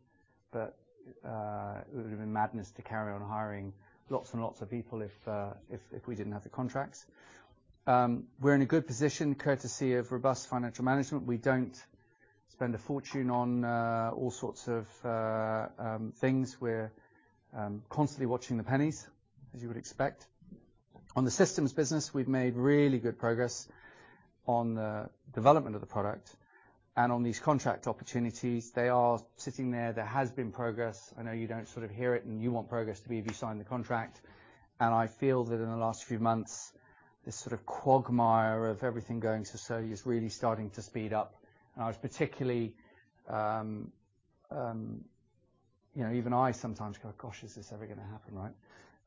but it would have been madness to carry on hiring lots and lots of people if we didn't have the contracts. We're in a good position courtesy of robust financial management. We don't spend a fortune on all sorts of things. We're constantly watching the pennies, as you would expect. On the systems business, we've made really good progress on the development of the product and on these contract opportunities. They are sitting there. There has been progress. I know you don't hear it, and you want progress to be if you sign the contract. I feel that in the last few months, this sort of quagmire of everything going so-so is really starting to speed up. Even I sometimes go, "Gosh, is this ever going to happen," right?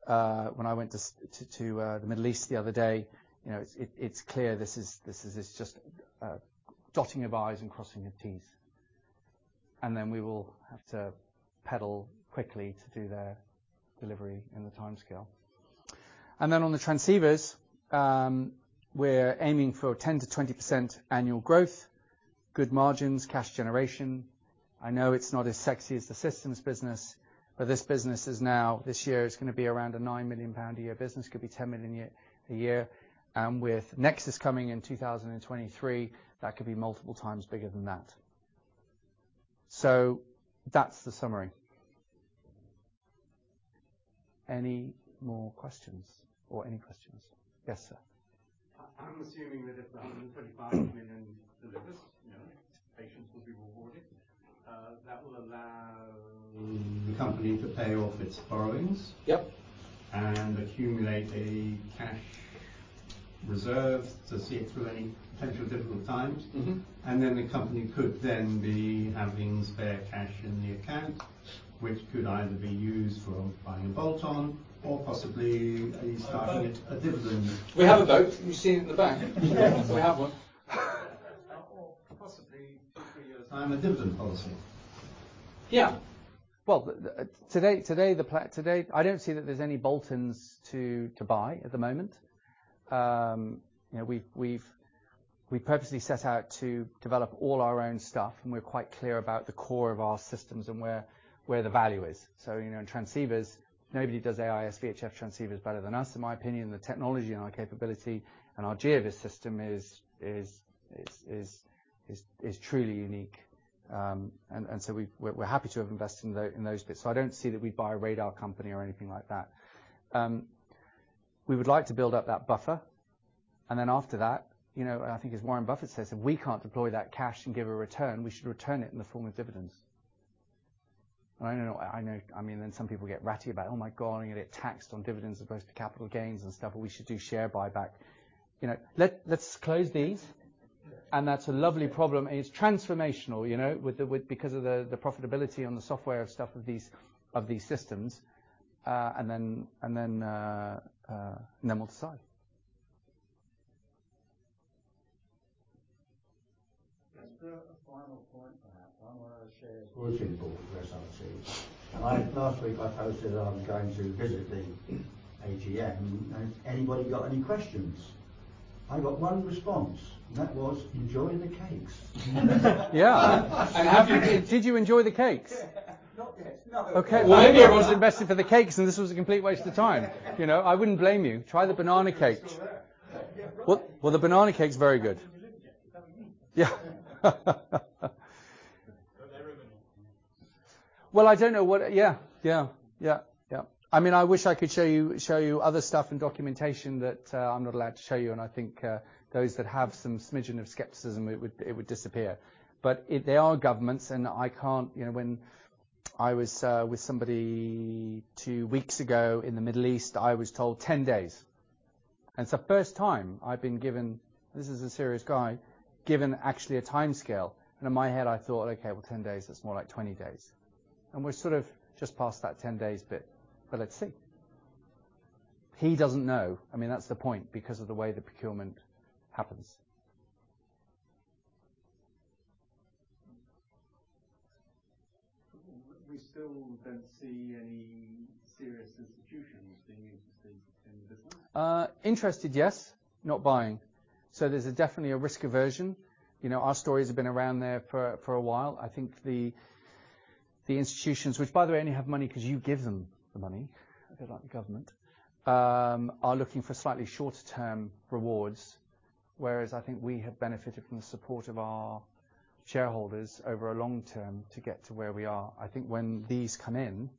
When I went to the Middle East the other day, it's clear this is just dotting of Is and crossing of Ts. Then we will have to pedal quickly to do the delivery in the timescale. Then on the transceivers, we're aiming for a 10%-20% annual growth, good margins, cash generation. I know it's not as sexy as the systems business, this business is now, this year, it's going to be around a 9 million pound a year business, could be 10 million a year. With NEXUS coming in 2023, that could be multiple times bigger than that. That's the summary. Any more questions or any questions? Yes, sir. I'm assuming that if the 135 million delivers, patience will be rewarded. That will allow the company to pay off its borrowings. Yep. Accumulate a cash reserve to see it through any potential difficult times. The company could then be having spare cash in the account, which could either be used for buying a bolt-on or possibly starting a dividend. We have a boat. You've seen it in the back. We have one. Possibly in two, three years time, a dividend policy. Well, today, I don't see that there's any bolt-ons to buy at the moment. We've purposely set out to develop all our own stuff, and we're quite clear about the core of our systems and where the value is. In transceivers, nobody does AIS VHF transceivers better than us, in my opinion. The technology and our capability and our GeoVS system is truly unique. We're happy to have invested in those bits. I don't see that we'd buy a radar company or anything like that. We would like to build up that buffer, and then after that, I think as Warren Buffett says, if we can't deploy that cash and give a return, we should return it in the form of dividends. I know, then some people get ratty about, "Oh my God, I'm going to get taxed on dividends as opposed to capital gains and stuff," or, "We should do share buyback." Let's close these. That's a lovely problem. It's transformational because of the profitability on the software of these systems. Then we'll decide. As per a formal point perhaps, I want to share as auditing board for SRT. Last week, I posted that I am going to visit the AGM and asked, "Anybody got any questions?" I got one response, and that was, "Enjoy the cakes. Yeah. Did you enjoy the cakes? Not yet, no. Okay. Well, maybe everyone's invested for the cakes, and this was a complete waste of time. I wouldn't blame you. Try the banana cake. Yeah, right. The banana cake's very good. Yeah. For everyone. Well, I don't know what. Yeah. I wish I could show you other stuff and documentation that I'm not allowed to show you, I think those that have some smidgen of skepticism, it would disappear. There are governments. I can't. When I was with somebody two weeks ago in the Middle East, I was told 10 days. It's the first time I've been given, this is a serious guy, actually a timescale. In my head, I thought, "Okay, well, 10 days, that's more like 20 days." We're sort of just past that 10 days bit. Let's see. He doesn't know. That's the point, because of the way the procurement happens. We still don't see any serious institutions being interested in the business? Interested, yes. Not buying. There's definitely a risk aversion. Our stories have been around there for a while. I think the institutions, which by the way only have money because you give them the money, a bit like the government, are looking for slightly shorter-term rewards, whereas I think we have benefited from the support of our shareholders over a long term to get to where we are. I think when these come in,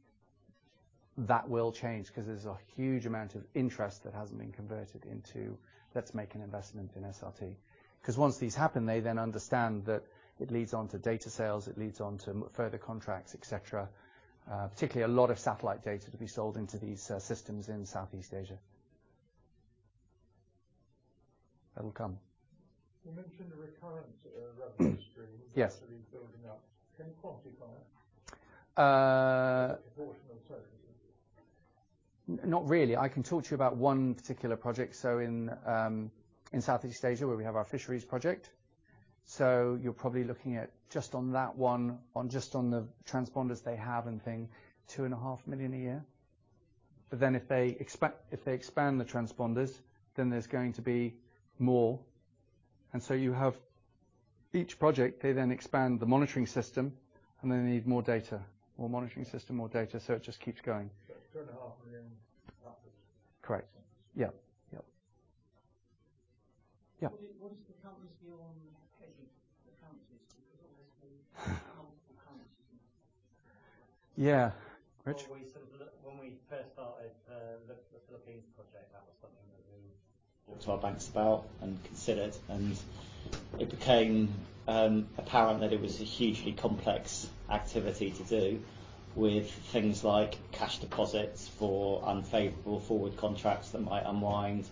that will change because there's a huge amount of interest that hasn't been converted into "Let's make an investment in SRT." Once these happen, they then understand that it leads on to data sales, it leads on to further contracts, et cetera. Particularly a lot of satellite data to be sold into these systems in Southeast Asia. That will come. You mentioned a recurrent revenue stream. Yes that has been building up. Can you quantify it? Uh- The proportion of services. Not really. I can talk to you about one particular project. In Southeast Asia, where we have our fisheries project. You're probably looking at just on that one, just on the transponders they have and thing, two and a half million a year. If they expand the transponders, then there's going to be more. You have each project, they then expand the monitoring system, and then they need more data. More monitoring system, more data, so it just keeps going. 2.5 million roughly. Correct. Yeah. What is the company's view on hedging the currencies? Because obviously multiple currencies. Yeah. Rich? When we first started the Philippines project, that was something that we talked to our banks about and considered, and it became apparent that it was a hugely complex activity to do with things like cash deposits for unfavorable forward contracts that might unwind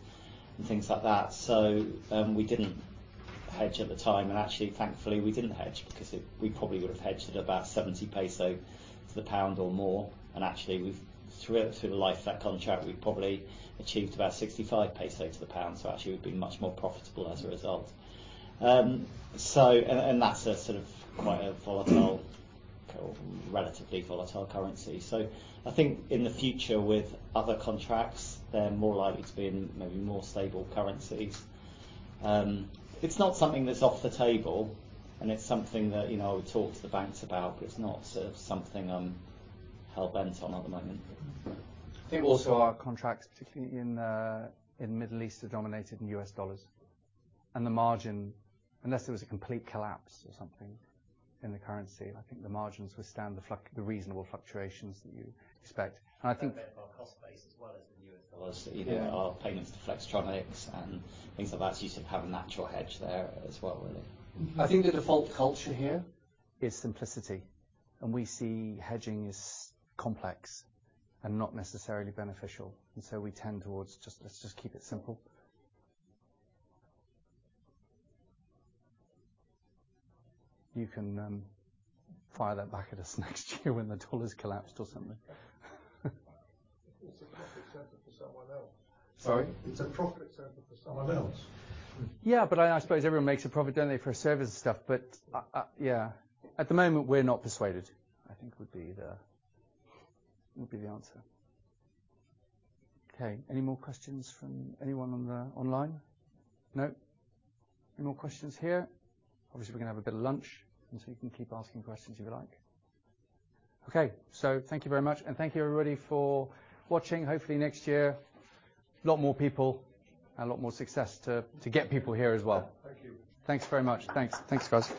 and things like that. We didn't hedge at the time, and actually, thankfully, we didn't hedge because we probably would have hedged at about 70 peso to the pound or more. Actually, through the life of that contract, we've probably achieved about 65 peso to the pound. Actually, we've been much more profitable as a result. That's sort of quite a volatile or relatively volatile currency. I think in the future with other contracts, they're more likely to be in maybe more stable currencies. It's not something that's off the table and it's something that we talk to the banks about, but it's not something I'm hell-bent on at the moment. I think also our contracts, particularly in Middle East, are dominated in US dollars, and the margin, unless there was a complete collapse or something in the currency, I think the margins withstand the reasonable fluctuations that you expect. Better for our cost base as well as the US dollars that are payments to Flex and things like that, so you sort of have a natural hedge there as well, really. I think the default culture here is simplicity, we see hedging as complex and not necessarily beneficial, so we tend towards just, "Let's just keep it simple." You can fire that back at us next year when the U.S. dollar's collapsed or something. It's a profit center for someone else. Sorry? It's a profit center for someone else. I suppose everyone makes a profit, don't they, for a service and stuff. At the moment, we're not persuaded, I think would be the answer. Any more questions from anyone on the online? No. Any more questions here? We're going to have a bit of lunch, you can keep asking questions if you like. Thank you very much. Thank you everybody for watching. Hopefully next year, a lot more people and a lot more success to get people here as well. Thank you. Thanks very much. Thanks. Thanks, guys.